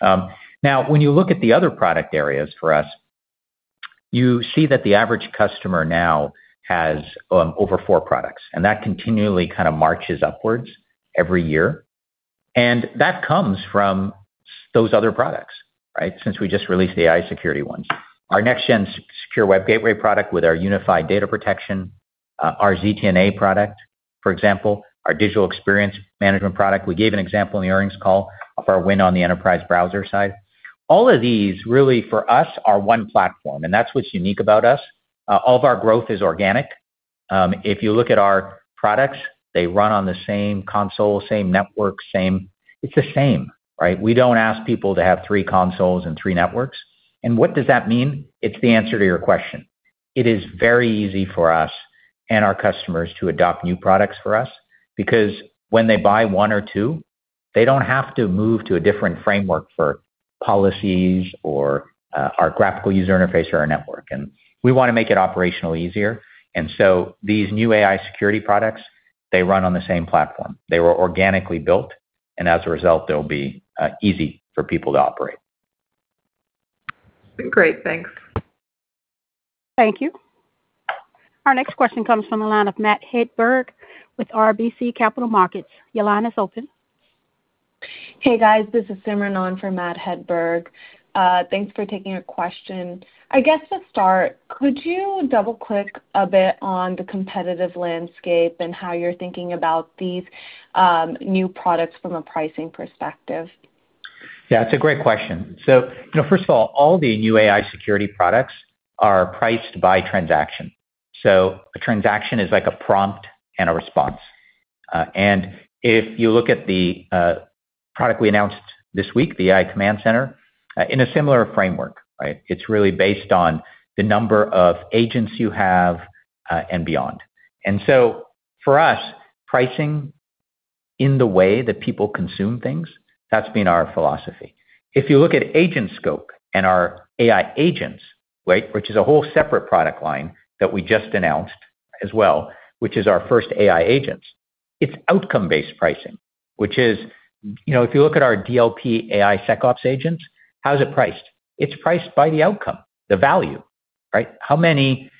[SPEAKER 3] Now, when you look at the other product areas for us, you see that the average customer now has over four products, and that continually marches upwards every year. That comes from those other products. Since we just released the AI security ones. Our Next Gen Secure Web Gateway product with our unified data protection, our ZTNA product, for example, our Digital Experience Management product. We gave an example in the earnings call of our win on the Enterprise Browser side. All of these really for us are One platform, and that's what's unique about us. All of our growth is organic. If you look at our products, they run on the same console, same network. It's the same. We don't ask people to have three consoles and three networks. What does that mean? It's the answer to your question. It is very easy for us and our customers to adopt new products for us because when they buy one or two, they don't have to move to a different framework for policies or our graphical user interface or our network. We want to make it operationally easier. These new AI security products, they run on the same platform. They were organically built, and as a result, they'll be easy for people to operate.
[SPEAKER 6] Great. Thanks.
[SPEAKER 1] Thank you. Our next question comes from the line of Matt Hedberg with RBC Capital Markets. Your line is open.
[SPEAKER 7] Hey, guys. This is Simran on for Matt Hedberg. Thanks for taking our question. I guess to start, could you double-click a bit on the competitive landscape and how you're thinking about these new products from a pricing perspective?
[SPEAKER 3] Yeah, it's a great question. First of all the new AI security products are priced by transaction. A transaction is like a prompt and a response. If you look at the product we announced this week, the AI Command Center, in a similar framework. It's really based on the number of agents you have, and beyond. For us, pricing in the way that people consume things, that's been our philosophy. If you look at AgentSkope and our AI agents, which is a whole separate product line that we just announced as well, which is our first AI agents. It's outcome-based pricing, which is, if you look at our DLP AISecOps agents, how is it priced? It's priced by the outcome, the value, right? How many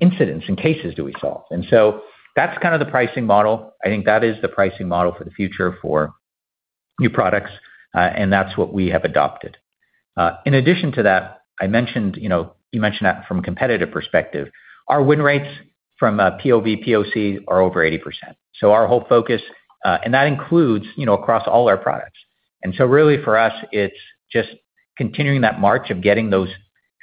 [SPEAKER 3] incidents and cases do we solve? That's the pricing model. I think that is the pricing model for the future for new products, and that's what we have adopted. In addition to that, you mentioned that from a competitive perspective, our win rates from POV, POC are over 80%. Our whole focus, and that includes across all our products. Really for us, it's just continuing that march of getting those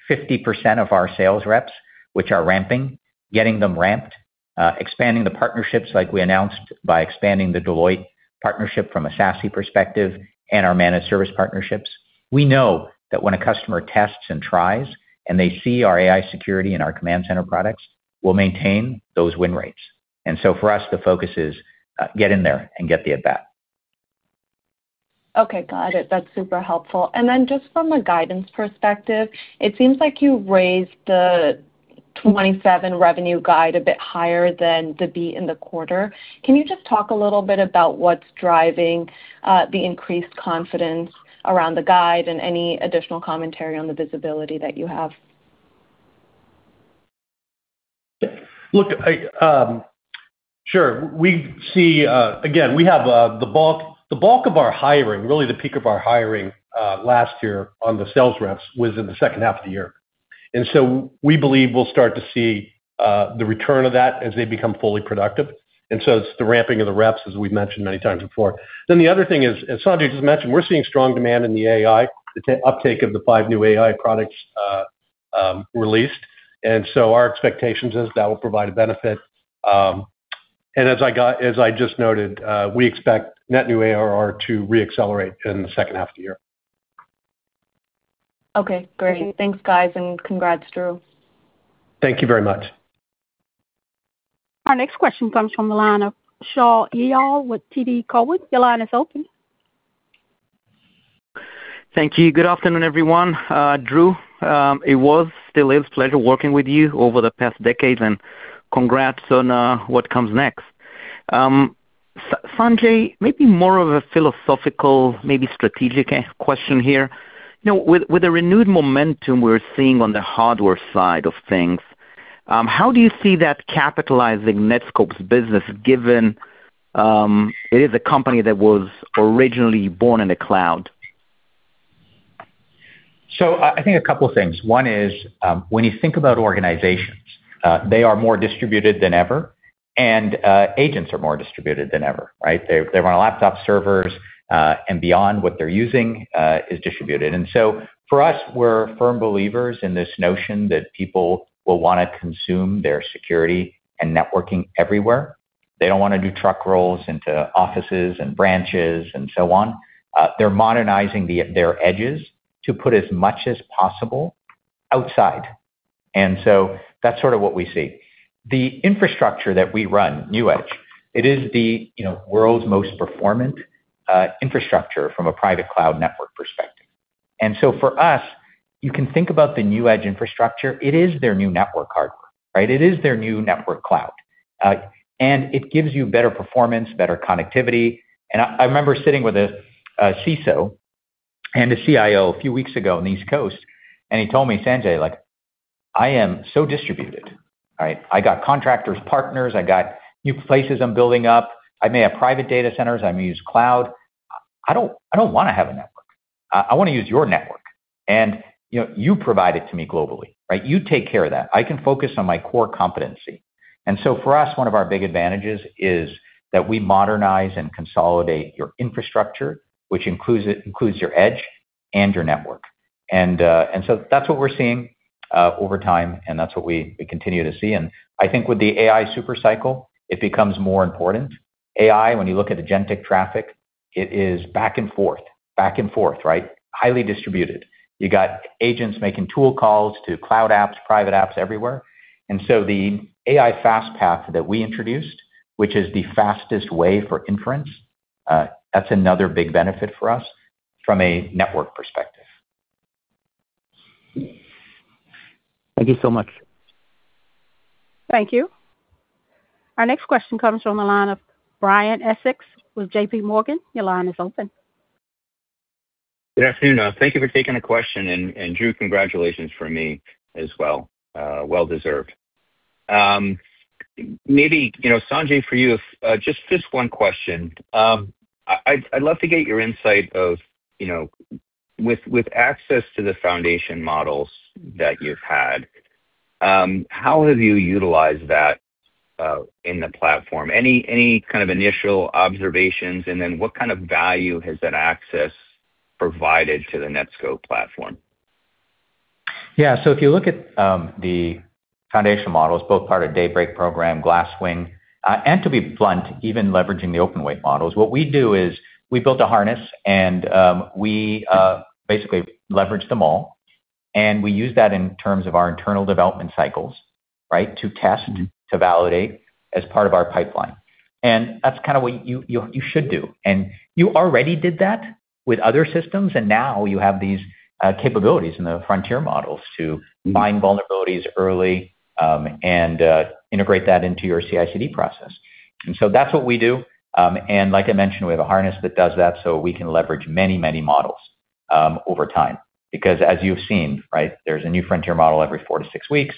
[SPEAKER 3] 50% of our sales reps, which are ramping, getting them ramped, expanding the partnerships like we announced by expanding the Deloitte partnership from a SASE perspective and our managed service partnerships. We know that when a customer tests and tries, and they see our AI security and our Command Center products, we'll maintain those win rates. For us, the focus is get in there and get the at-bat.
[SPEAKER 7] Okay, got it. That's super helpful. Just from a guidance perspective, it seems like you raised the 2027 revenue guide a bit higher than the beat in the quarter. Can you just talk a little bit about what's driving the increased confidence around the guide and any additional commentary on the visibility that you have?
[SPEAKER 4] Look, sure. Again, we have the bulk of our hiring, really the peak of our hiring last year on the sales reps was in the second half of the year. We believe we'll start to see the return of that as they become fully productive. It's the ramping of the reps, as we've mentioned many times before. The other thing is, as Sanjay just mentioned, we're seeing strong demand in the AI, the uptake of the five new AI products released. Our expectations is that will provide a benefit. As I just noted, we expect net new ARR to re-accelerate in the second half of the year.
[SPEAKER 7] Okay, great. Thanks, guys, and congrats, Drew.
[SPEAKER 4] Thank you very much.
[SPEAKER 1] Our next question comes from the line of Shaul Eyal with TD Cowen. Your line is open.
[SPEAKER 8] Thank you. Good afternoon, everyone. Drew, it was, still is, pleasure working with you over the past decade, and congrats on what comes next. Sanjay, maybe more of a philosophical, maybe strategic question here. With the renewed momentum we're seeing on the hardware side of things, how do you see that capitalizing Netskope's business given it is a company that was originally born in the cloud?
[SPEAKER 3] I think a couple of things. One is, when you think about organizations, they are more distributed than ever, and agents are more distributed than ever, right? They're on laptop servers, and beyond what they're using is distributed. For us, we're firm believers in this notion that people will want to consume their security and networking everywhere. They don't want to do truck rolls into offices and branches and so on. They're modernizing their edges to put as much as possible outside. That's sort of what we see. The infrastructure that we run, NewEdge, it is the world's most performant infrastructure from a private cloud network perspective. For us, you can think about the NewEdge infrastructure. It is their new network hardware, right? It is their new network cloud. It gives you better performance, better connectivity. I remember sitting with a CISO and a CIO a few weeks ago on the East Coast, and he told me, "Sanjay, I am so distributed. I got contractors, partners, I got new places I'm building up. I may have private data centers, I may use cloud. I don't want to have a network. I want to use your network. You provide it to me globally. You take care of that. I can focus on my core competency." For us, one of our big advantages is that we modernize and consolidate your infrastructure, which includes your edge and your network. That's what we're seeing over time, and that's what we continue to see. I think with the AI super cycle, it becomes more important. AI, when you look at agentic traffic, it is back and forth, right, highly distributed. You got agents making tool calls to cloud apps, private apps everywhere. The AI Fast Path that we introduced, which is the fastest way for inference, that's another big benefit for us from a network perspective.
[SPEAKER 8] Thank you so much.
[SPEAKER 1] Thank you. Our next question comes from the line of Brian Essex with JPMorgan. Your line is open.
[SPEAKER 9] Good afternoon. Thank you for taking the question. Drew, congratulations from me as well. Well deserved. Sanjay, for you, just this one question. I'd love to get your insight of, with access to the foundation models that you've had, how have you utilized that in the platform? Any kind of initial observations. What kind of value has that access provided to the Netskope platform?
[SPEAKER 3] Yeah. If you look at the foundation models, both part of Daybreak program, Glasswing, and to be blunt, even leveraging the open weight models, what we do is we built a harness and we basically leverage them all, and we use that in terms of our internal development cycles to test, to validate as part of our pipeline. That's what you should do. You already did that with other systems, and now you have these capabilities in the frontier models to find vulnerabilities early, and integrate that into your CI/CD process. That's what we do. Like I mentioned, we have a harness that does that, so we can leverage many models over time. As you've seen, right, there's a new frontier model every four to six weeks,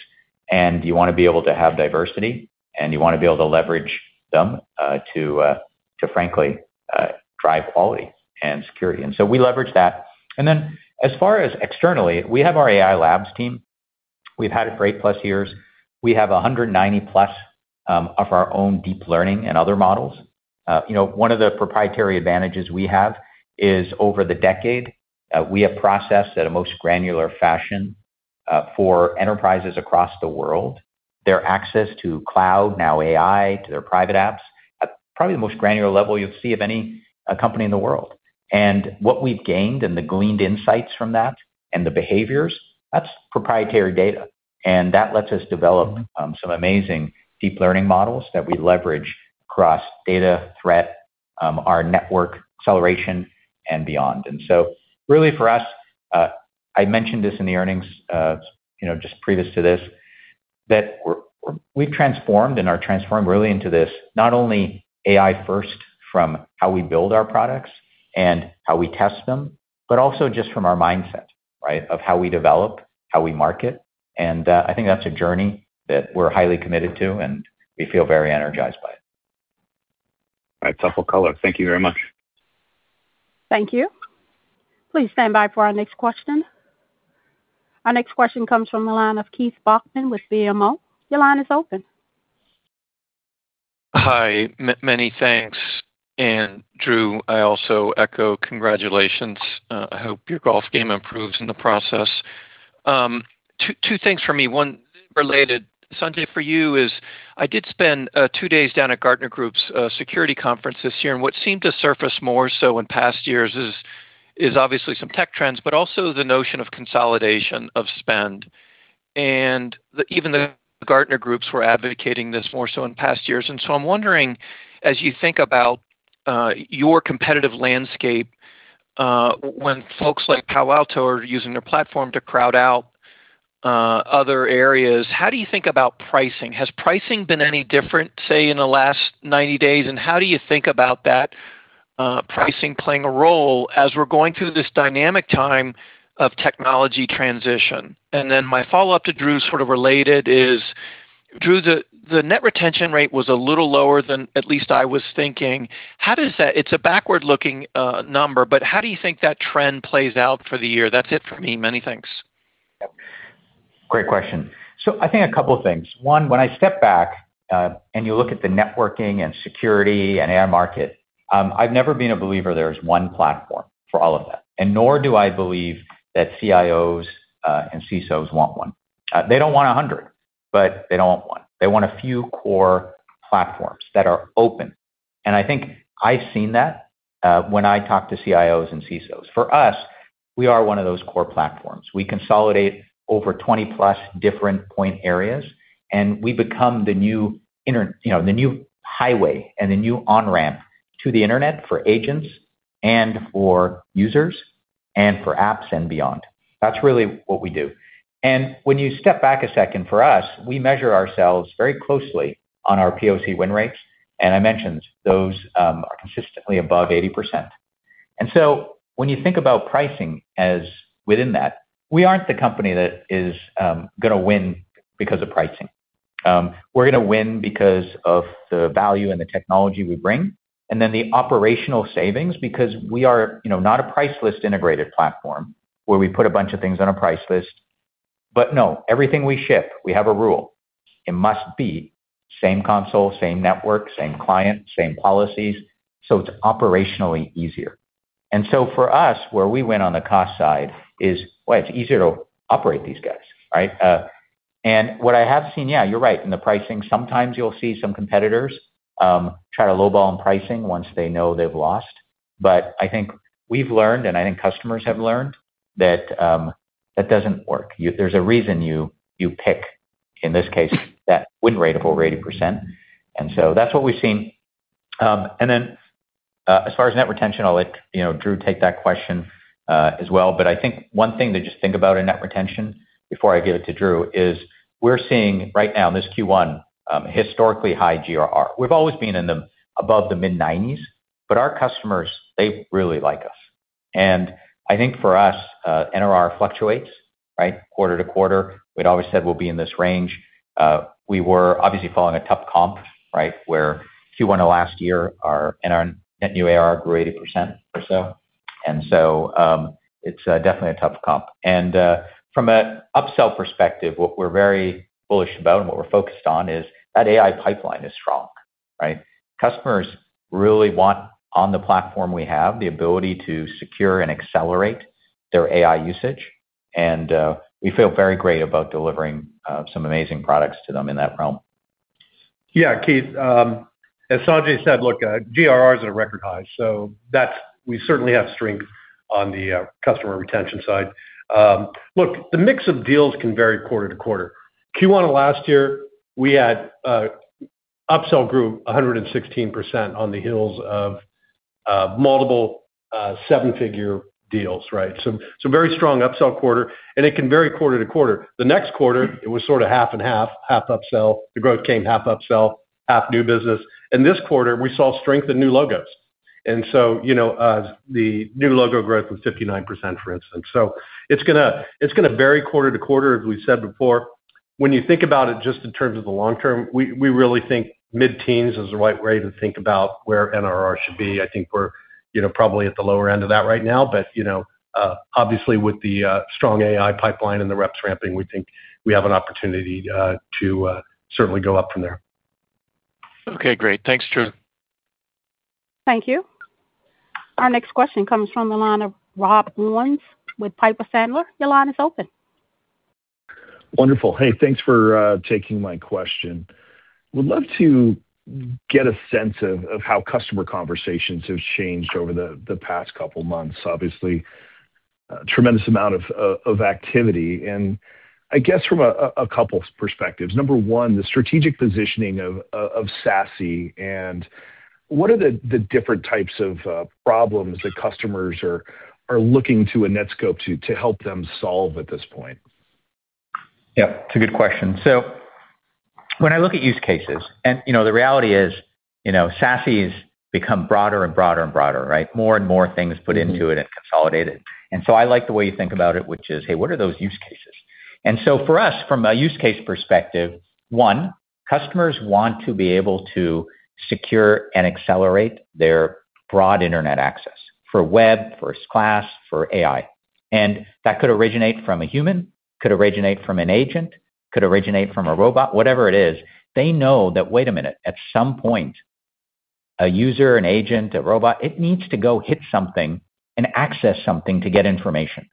[SPEAKER 3] and you want to be able to have diversity, and you want to be able to leverage them, to frankly, drive quality and security. We leverage that. As far as externally, we have our AI Labs team. We've had it for eight-plus years. We have 190+ of our own deep learning and other models. One of the proprietary advantages we have is over the decade, we have processed at a most granular fashion, for enterprises across the world, their access to cloud, now AI, to their private apps, at probably the most granular level you'll see of any company in the world. What we've gained and the gleaned insights from that and the behaviors, that's proprietary data. That lets us develop some amazing deep learning models that we leverage across data, threat, our network acceleration and beyond. So really for us, I mentioned this in the earnings, just previous to this, that we've transformed and are transformed really into this, not only AI-first from how we build our products and how we test them, but also just from our mindset, right, of how we develop, how we market. I think that's a journey that we're highly committed to, and we feel very energized by it.
[SPEAKER 9] All right, thoughtful color. Thank you very much.
[SPEAKER 1] Thank you. Please stand by for our next question. Our next question comes from the line of Keith Bachman with BMO. Your line is open.
[SPEAKER 10] Hi, many thanks. Drew, I also echo congratulations. I hope your golf game improves in the process. Two things for me. One related, Sanjay, for you is I did spend two days down at Gartner Group's security conference this year, and what seemed to surface more so in past years is obviously some tech trends, but also the notion of consolidation of spend. Even the Gartner Groups were advocating this more so in past years. I'm wondering, as you think about your competitive landscape, when folks like Palo Alto are using their platform to crowd out other areas, how do you think about pricing? Has pricing been any different, say, in the last 90 days? How do you think about that pricing playing a role as we're going through this dynamic time of technology transition? My follow-up to Drew, sort of related is, Drew, the net retention rate was a little lower than at least I was thinking. It's a backward-looking number, but how do you think that trend plays out for the year? That's it for me. Many thanks.
[SPEAKER 3] Yep. Great question. I think a couple of things. One, when I step back, and you look at the networking and security and AI market, I've never been a believer there is one platform for all of that, and nor do I believe that CIOs and CISOs want one. They don't want a hundred, but they don't want one. They want a few core platforms that are open. I think I've seen that, when I talk to CIOs and CISOs. For us, we are one of those core platforms. We consolidate over 20+ different point areas, and we become the new highway and the new on-ramp to the internet for agents and for users, and for apps and beyond. That's really what we do. When you step back a second, for us, we measure ourselves very closely on our POC win rates, and I mentioned those are consistently above 80%. When you think about pricing as within that, we aren't the company that is going to win because of pricing. We're going to win because of the value and the technology we bring, and then the operational savings because we are not a price list integrated platform where we put a bunch of things on a price list. No, everything we ship, we have a rule. It must be same console, same network, same client, same policies, so it's operationally easier. For us, where we win on the cost side is, well, it's easier to operate these guys, right? What I have seen, yeah, you're right. In the pricing, sometimes you'll see some competitors try to lowball on pricing once they know they've lost. I think we've learned, and I think customers have learned that doesn't work. There's a reason you pick, in this case, that win rate of over 80%. That's what we've seen. As far as net retention, I'll let Drew take that question as well. I think one thing to just think about in net retention before I give it to Drew is we're seeing right now in this Q1, historically high GRR. We've always been above the mid-90s, but our customers, they really like us. I think for us, NRR fluctuates, right? Quarter to quarter. We'd always said we'll be in this range. We were obviously following a tough comp, right, where Q1 of last year, our net new ARR grew 80% or so. It's definitely a tough comp. From an upsell perspective, what we're very bullish about and what we're focused on is that AI pipeline is strong, right? Customers really want on the platform we have the ability to secure and accelerate their AI usage, and we feel very great about delivering some amazing products to them in that realm.
[SPEAKER 4] Yeah, Keith. As Sanjay said, look, GRR is at a record high, so we certainly have strength on the customer retention side. Look, the mix of deals can vary quarter to quarter. Q1 of last year, upsell grew 116% on the heels of multiple seven-figure deals, right? Very strong upsell quarter, and it can vary quarter to quarter. The next quarter, it was sort of half and half upsell. The growth came half upsell, half new business. This quarter we saw strength in new logos. The new logo growth was 59%, for instance. It's going to vary quarter to quarter, as we said before. When you think about it just in terms of the long-term, we really think mid-teens is the right way to think about where NRR should be. I think we're probably at the lower end of that right now. Obviously with the strong AI pipeline and the reps ramping, we think we have an opportunity to certainly go up from there.
[SPEAKER 10] Okay, great. Thanks, Drew.
[SPEAKER 1] Thank you. Our next question comes from the line of Rob Owens with Piper Sandler. Your line is open.
[SPEAKER 11] Wonderful. Hey, thanks for taking my question. Would love to get a sense of how customer conversations have changed over the past couple of months. Obviously, a tremendous amount of activity, I guess from a couple perspectives. Number one, the strategic positioning of SASE, what are the different types of problems that customers are looking to a Netskope to help them solve at this point?
[SPEAKER 3] Yeah, it's a good question. When I look at use cases and the reality is, SASE has become broader and broader and broader, right? More and more things put into it and consolidated. I like the way you think about it, which is, hey, what are those use cases? For us, from a use case perspective, one, customers want to be able to secure and accelerate their broad internet access for web, for class, for AI. That could originate from a human, could originate from an agent, could originate from a robot, whatever it is. They know that, wait a minute, at some point, a user, an agent, a robot, it needs to go hit something and access something to get information.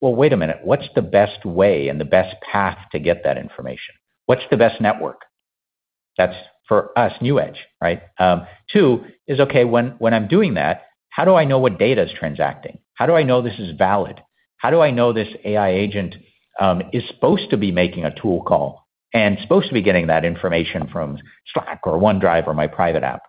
[SPEAKER 3] Well, wait a minute, what's the best way and the best path to get that information? What's the best network? That's for us, NewEdge, right? Two is, okay, when I'm doing that, how do I know what data is transacting? How do I know this is valid? How do I know this AI agent is supposed to be making a tool call and supposed to be getting that information from Slack or OneDrive or my private app?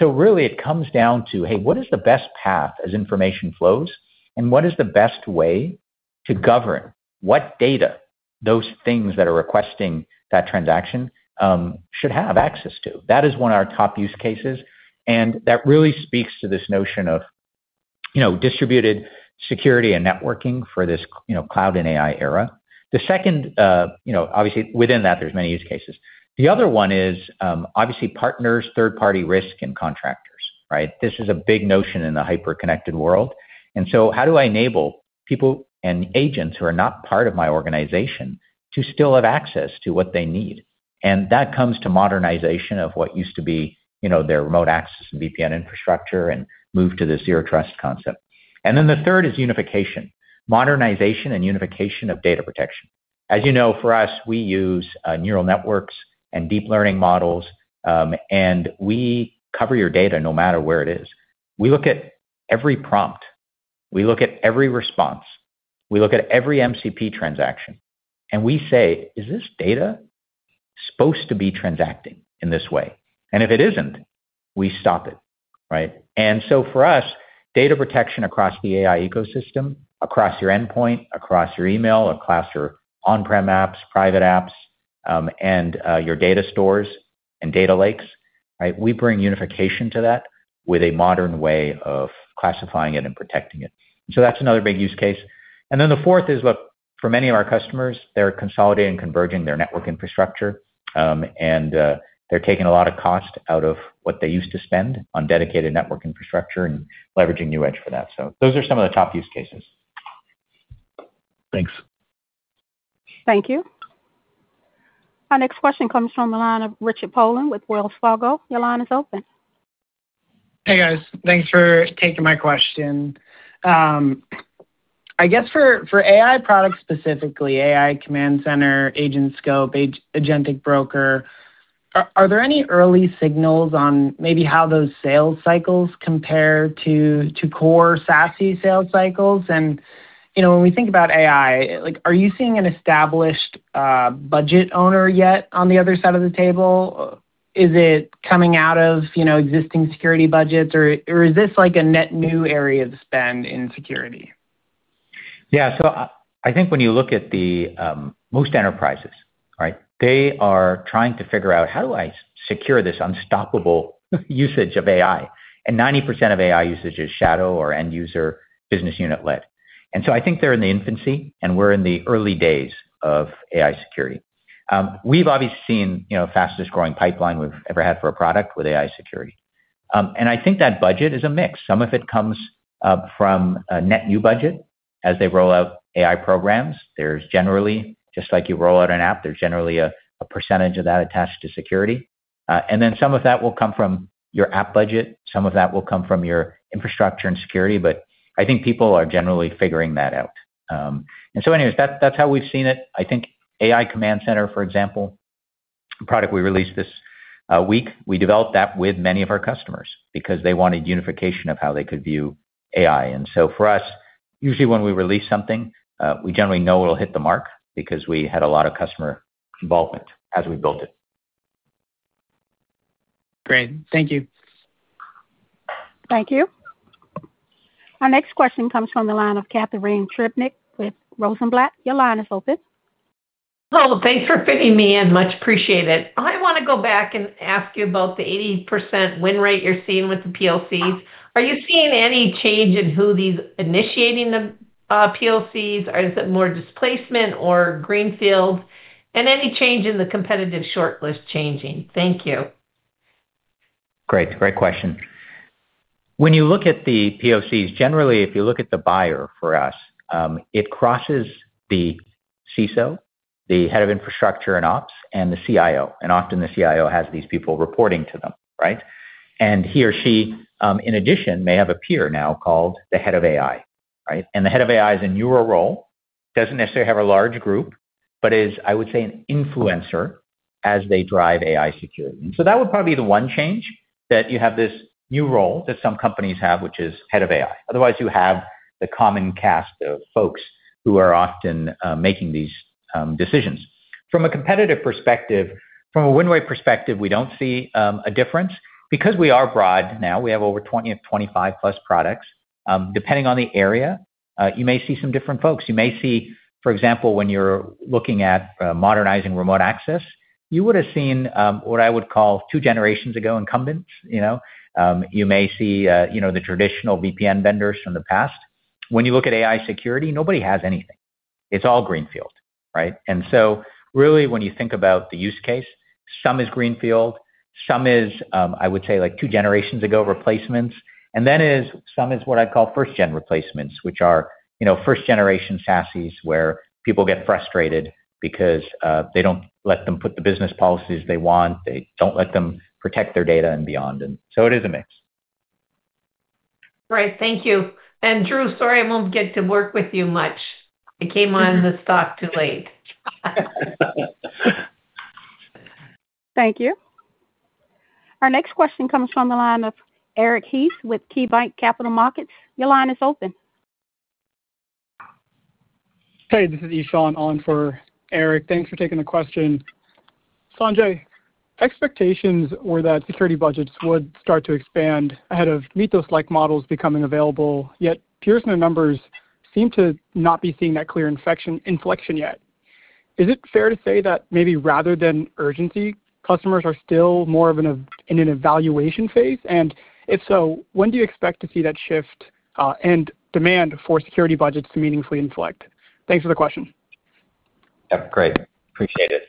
[SPEAKER 3] Really it comes down to, hey, what is the best path as information flows, and what is the best way to govern what data those things that are requesting that transaction should have access to? That is one of our top use cases, and that really speaks to this notion of distributed security and networking for this cloud and AI era. The second, obviously within that, there's many use cases. The other one is, obviously partners, third-party risk, and contractors, right? This is a big notion in the hyper-connected world. How do I enable people and agents who are not part of my organization to still have access to what they need? That comes to modernization of what used to be their remote access and VPN infrastructure and move to the Zero Trust concept. Then the third is unification, modernization and unification of data protection. As you know, for us, we use neural networks and deep learning models, and we cover your data no matter where it is. We look at every prompt, we look at every response, we look at every MCP transaction, and we say, "Is this data supposed to be transacting in this way?" If it isn't, we stop it. Right. For us, data protection across the AI ecosystem, across your endpoint, across your email, across your on-prem apps, private apps, and your data stores and data lakes, we bring unification to that with a modern way of classifying it and protecting it. That's another big use case. The fourth is, look, for many of our customers, they're consolidating and converging their network infrastructure, and they're taking a lot of cost out of what they used to spend on dedicated network infrastructure and leveraging NewEdge for that. Those are some of the top use cases.
[SPEAKER 11] Thanks.
[SPEAKER 1] Thank you. Our next question comes from the line of Richard Poland with Wells Fargo. Your line is open.
[SPEAKER 12] Hey, guys. Thanks for taking my question. I guess for AI products specifically, AI Command Center, AgentSkope, Agentic Broker, are there any early signals on maybe how those sales cycles compare to core SASE sales cycles? When we think about AI, are you seeing an established budget owner yet on the other side of the table? Is it coming out of existing security budgets or is this like a net new area of spend in security?
[SPEAKER 3] Yeah. I think when you look at the most enterprises, they are trying to figure out, how do I secure this unstoppable usage of AI? 90% of AI usage is shadow or end user business unit led. I think they're in the infancy, and we're in the early days of AI security. We've obviously seen fastest growing pipeline we've ever had for a product with AI security. I think that budget is a mix. Some of it comes from a net new budget as they roll out AI programs. There's generally, just like you roll out an app, there's generally a percentage of that attached to security. Some of that will come from your app budget, some of that will come from your infrastructure and security. I think people are generally figuring that out. Anyways, that's how we've seen it. I think AI Command Center, for example, a product we released this week, we developed that with many of our customers because they wanted unification of how they could view AI. For us, usually when we release something, we generally know it'll hit the mark because we had a lot of customer involvement as we built it.
[SPEAKER 12] Great. Thank you.
[SPEAKER 1] Thank you. Our next question comes from the line of Catharine Trebnick with Rosenblatt. Your line is open.
[SPEAKER 13] Hello. Thanks for fitting me in. Much appreciated. I want to go back and ask you about the 80% win rate you're seeing with the POCs. Are you seeing any change in who is initiating the POCs? Is it more displacement or greenfield? Any change in the competitive shortlist changing? Thank you.
[SPEAKER 3] Great question. When you look at the POCs, generally, if you look at the buyer for us, it crosses the CISO, the Head of Infrastructure and Ops, and the CIO, and often the CIO has these people reporting to them, right? He or she, in addition, may have a peer now called the Head of AI. The Head of AI is a newer role, doesn't necessarily have a large group, but is, I would say, an influencer as they drive AI security. That would probably be the one change, that you have this new role that some companies have, which is Head of AI. Otherwise, you have the common cast of folks who are often making these decisions. From a competitive perspective, from a win rate perspective, we don't see a difference. We are broad now, we have over 20, 25+ products. Depending on the area, you may see some different folks. You may see, for example, when you're looking at modernizing remote access, you would have seen what I would call two generations ago incumbents. You may see the traditional VPN vendors from the past. When you look at AI security, nobody has anything. It's all greenfield, right? Really when you think about the use case, some is greenfield, some is I would say two generations ago replacements, and then some is what I'd call first-gen replacements, which are first-generation SaaS where people get frustrated because they don't let them put the business policies they want, they don't let them protect their data and beyond. It is a mix.
[SPEAKER 13] Great. Thank you. Drew, sorry I won't get to work with you much. I came on the stock too late.
[SPEAKER 1] Thank you. Our next question comes from the line of Eric Heath with KeyBanc Capital Markets. Your line is open.
[SPEAKER 14] Hey, this is Ishan on for Eric. Thanks for taking the question. Sanjay, expectations were that security budgets would start to expand ahead of Mythos-like models becoming available, yet peer numbers seem to not be seeing that clear inflection yet. Is it fair to say that maybe rather than urgency, customers are still more in an evaluation phase? If so, when do you expect to see that shift and demand for security budgets to meaningfully inflect? Thanks for the question.
[SPEAKER 3] Great. Appreciate it.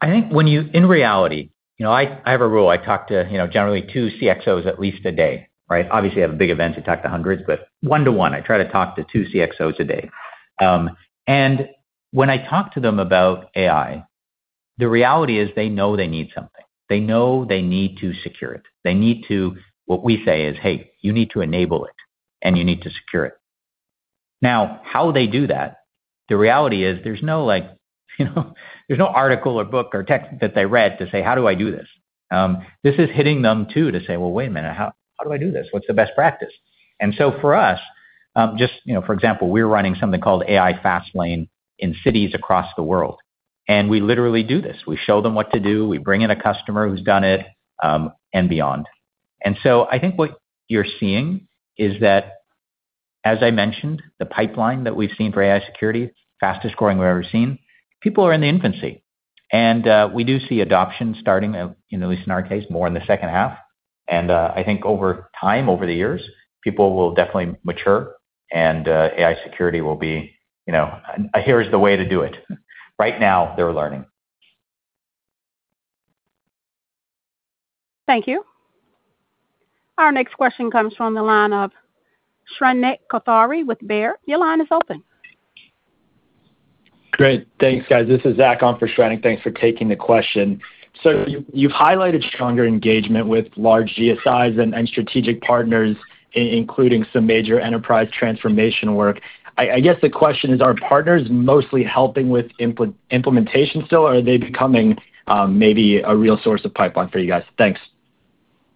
[SPEAKER 3] I think in reality, I have a rule. I talk to generally two CXOs at least a day. Obviously, I have big events, I talk to hundreds, but one to one, I try to talk to two CXOs a day. When I talk to them about AI, the reality is they know they need something. They know they need to secure it. What we say is, "Hey, you need to enable it, and you need to secure it." How they do that, the reality is there's no article or book or text that they read to say, "How do I do this?" This is hitting them, too, to say, "Wait a minute, how do I do this? What's the best practice?" For us, just for example, we're running something called AI Fast Lane in cities across the world, and we literally do this. We show them what to do, we bring in a customer who's done it, and beyond. I think what you're seeing is that, as I mentioned, the pipeline that we've seen for AI security, fastest growing we've ever seen. People are in the infancy. We do see adoption starting, at least in our case, more in the second half. I think over time, over the years, people will definitely mature and AI security will be, here's the way to do it. Right now, they're learning.
[SPEAKER 1] Thank you. Our next question comes from the line of Shrenik Kothari with Baird. Your line is open.
[SPEAKER 15] Great. Thanks, guys. This is Zach on for Shrenik. Thanks for taking the question. You've highlighted stronger engagement with large GSIs and strategic partners, including some major enterprise transformation work. I guess the question is, are partners mostly helping with implementation still, or are they becoming maybe a real source of pipeline for you guys? Thanks.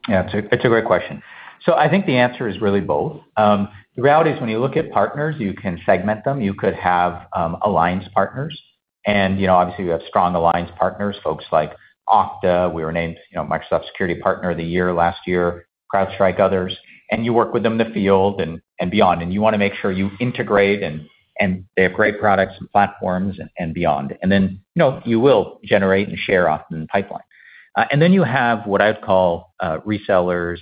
[SPEAKER 3] Yeah, it's a great question. I think the answer is really both. The reality is when you look at partners, you can segment them. You could have alliance partners, and obviously you have strong alliance partners, folks like Okta. We were named Microsoft Security Partner of the Year last year, CrowdStrike, others. You work with them in the field and beyond, and you want to make sure you integrate and they have great products and platforms and beyond. Then you will generate and share often in the pipeline. Then you have what I'd call resellers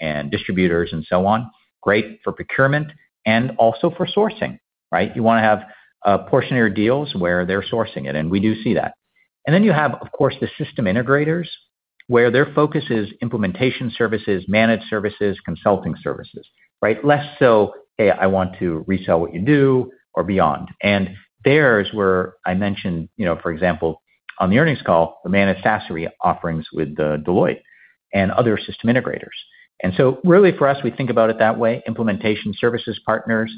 [SPEAKER 3] and distributors and so on. Great for procurement and also for sourcing, right? You want to have portion of your deals where they're sourcing it, and we do see that. Then you have, of course, the system integrators, where their focus is implementation services, managed services, consulting services, right? Less so, "Hey, I want to resell what you do or beyond." Theirs were, I mentioned, for example, on the earnings call, the managed SaaS offerings with Deloitte and other system integrators. Really for us, we think about it that way, implementation services partners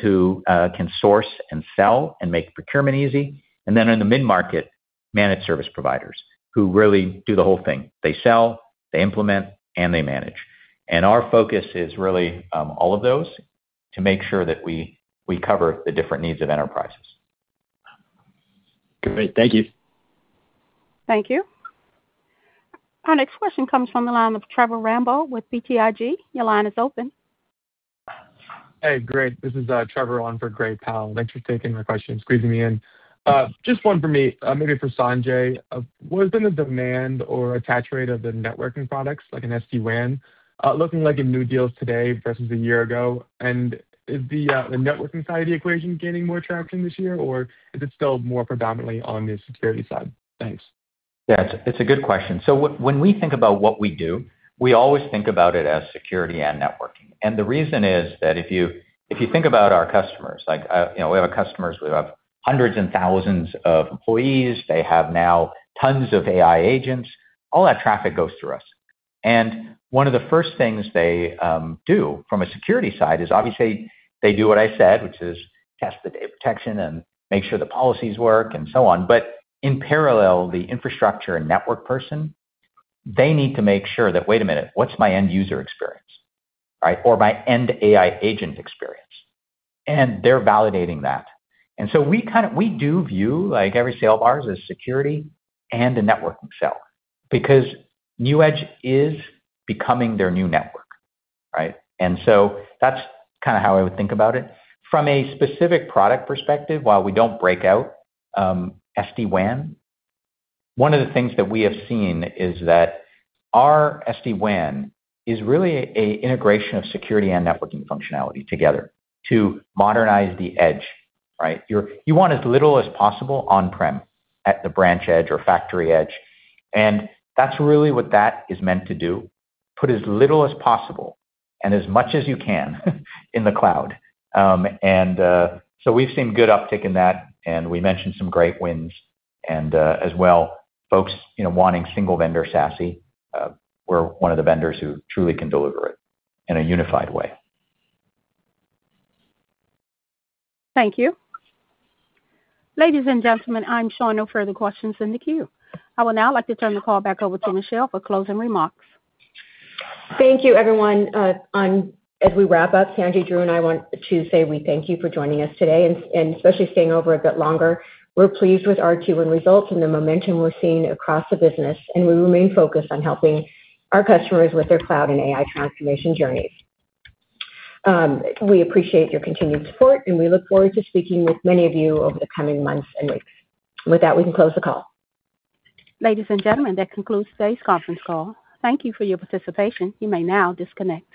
[SPEAKER 3] who can source and sell and make procurement easy. In the mid-market, managed service providers who really do the whole thing. They sell, they implement, and they manage. Our focus is really all of those to make sure that we cover the different needs of enterprises.
[SPEAKER 15] Great. Thank you.
[SPEAKER 1] Thank you. Our next question comes from the line of Trevor Rambo with BTIG. Your line is open.
[SPEAKER 16] Hey, great. This is Trevor on for Gray Powell. Thanks for taking my question, squeezing me in. Just one for me, maybe for Sanjay. What has been the demand or attach rate of the networking products, like an SD-WAN, looking like in new deals today versus a year ago? Is the networking side of the equation gaining more traction this year, or is it still more predominantly on the security side? Thanks.
[SPEAKER 3] Yeah, it's a good question. When we think about what we do, we always think about it as security and networking. The reason is that if you think about our customers, we have customers who have hundreds and thousands of employees. They have now tons of AI agents. All that traffic goes through us. One of the first things they do from a security side is obviously they do what I said, which is test the data protection and make sure the policies work and so on. In parallel, the infrastructure and network person, they need to make sure that, wait a minute, what's my end user experience? Or my end AI agent experience? They're validating that. We do view every sale of ours as security and a networking sell, because NewEdge is becoming their new network, right? That's how I would think about it. From a specific product perspective, while we don't break out SD-WAN, one of the things that we have seen is that our SD-WAN is really a integration of security and networking functionality together to modernize the edge, right? You want as little as possible on-prem at the branch edge or factory edge. That's really what that is meant to do, put as little as possible and as much as you can in the cloud. We've seen good uptick in that, and we mentioned some great wins, and as well, folks wanting single vendor SASE, we're one of the vendors who truly can deliver it in a unified way.
[SPEAKER 1] Thank you. Ladies and gentlemen, I'm showing no further questions in the queue. I would now like to turn the call back over to Michelle for closing remarks.
[SPEAKER 2] Thank you, everyone. As we wrap up, Sanjay, Drew, and I want to say we thank you for joining us today and especially staying over a bit longer. We're pleased with our Q1 results and the momentum we're seeing across the business. We remain focused on helping our customers with their cloud and AI transformation journeys. We appreciate your continued support. We look forward to speaking with many of you over the coming months and weeks. With that, we can close the call.
[SPEAKER 1] Ladies and gentlemen, that concludes today's conference call. Thank you for your participation. You may now disconnect.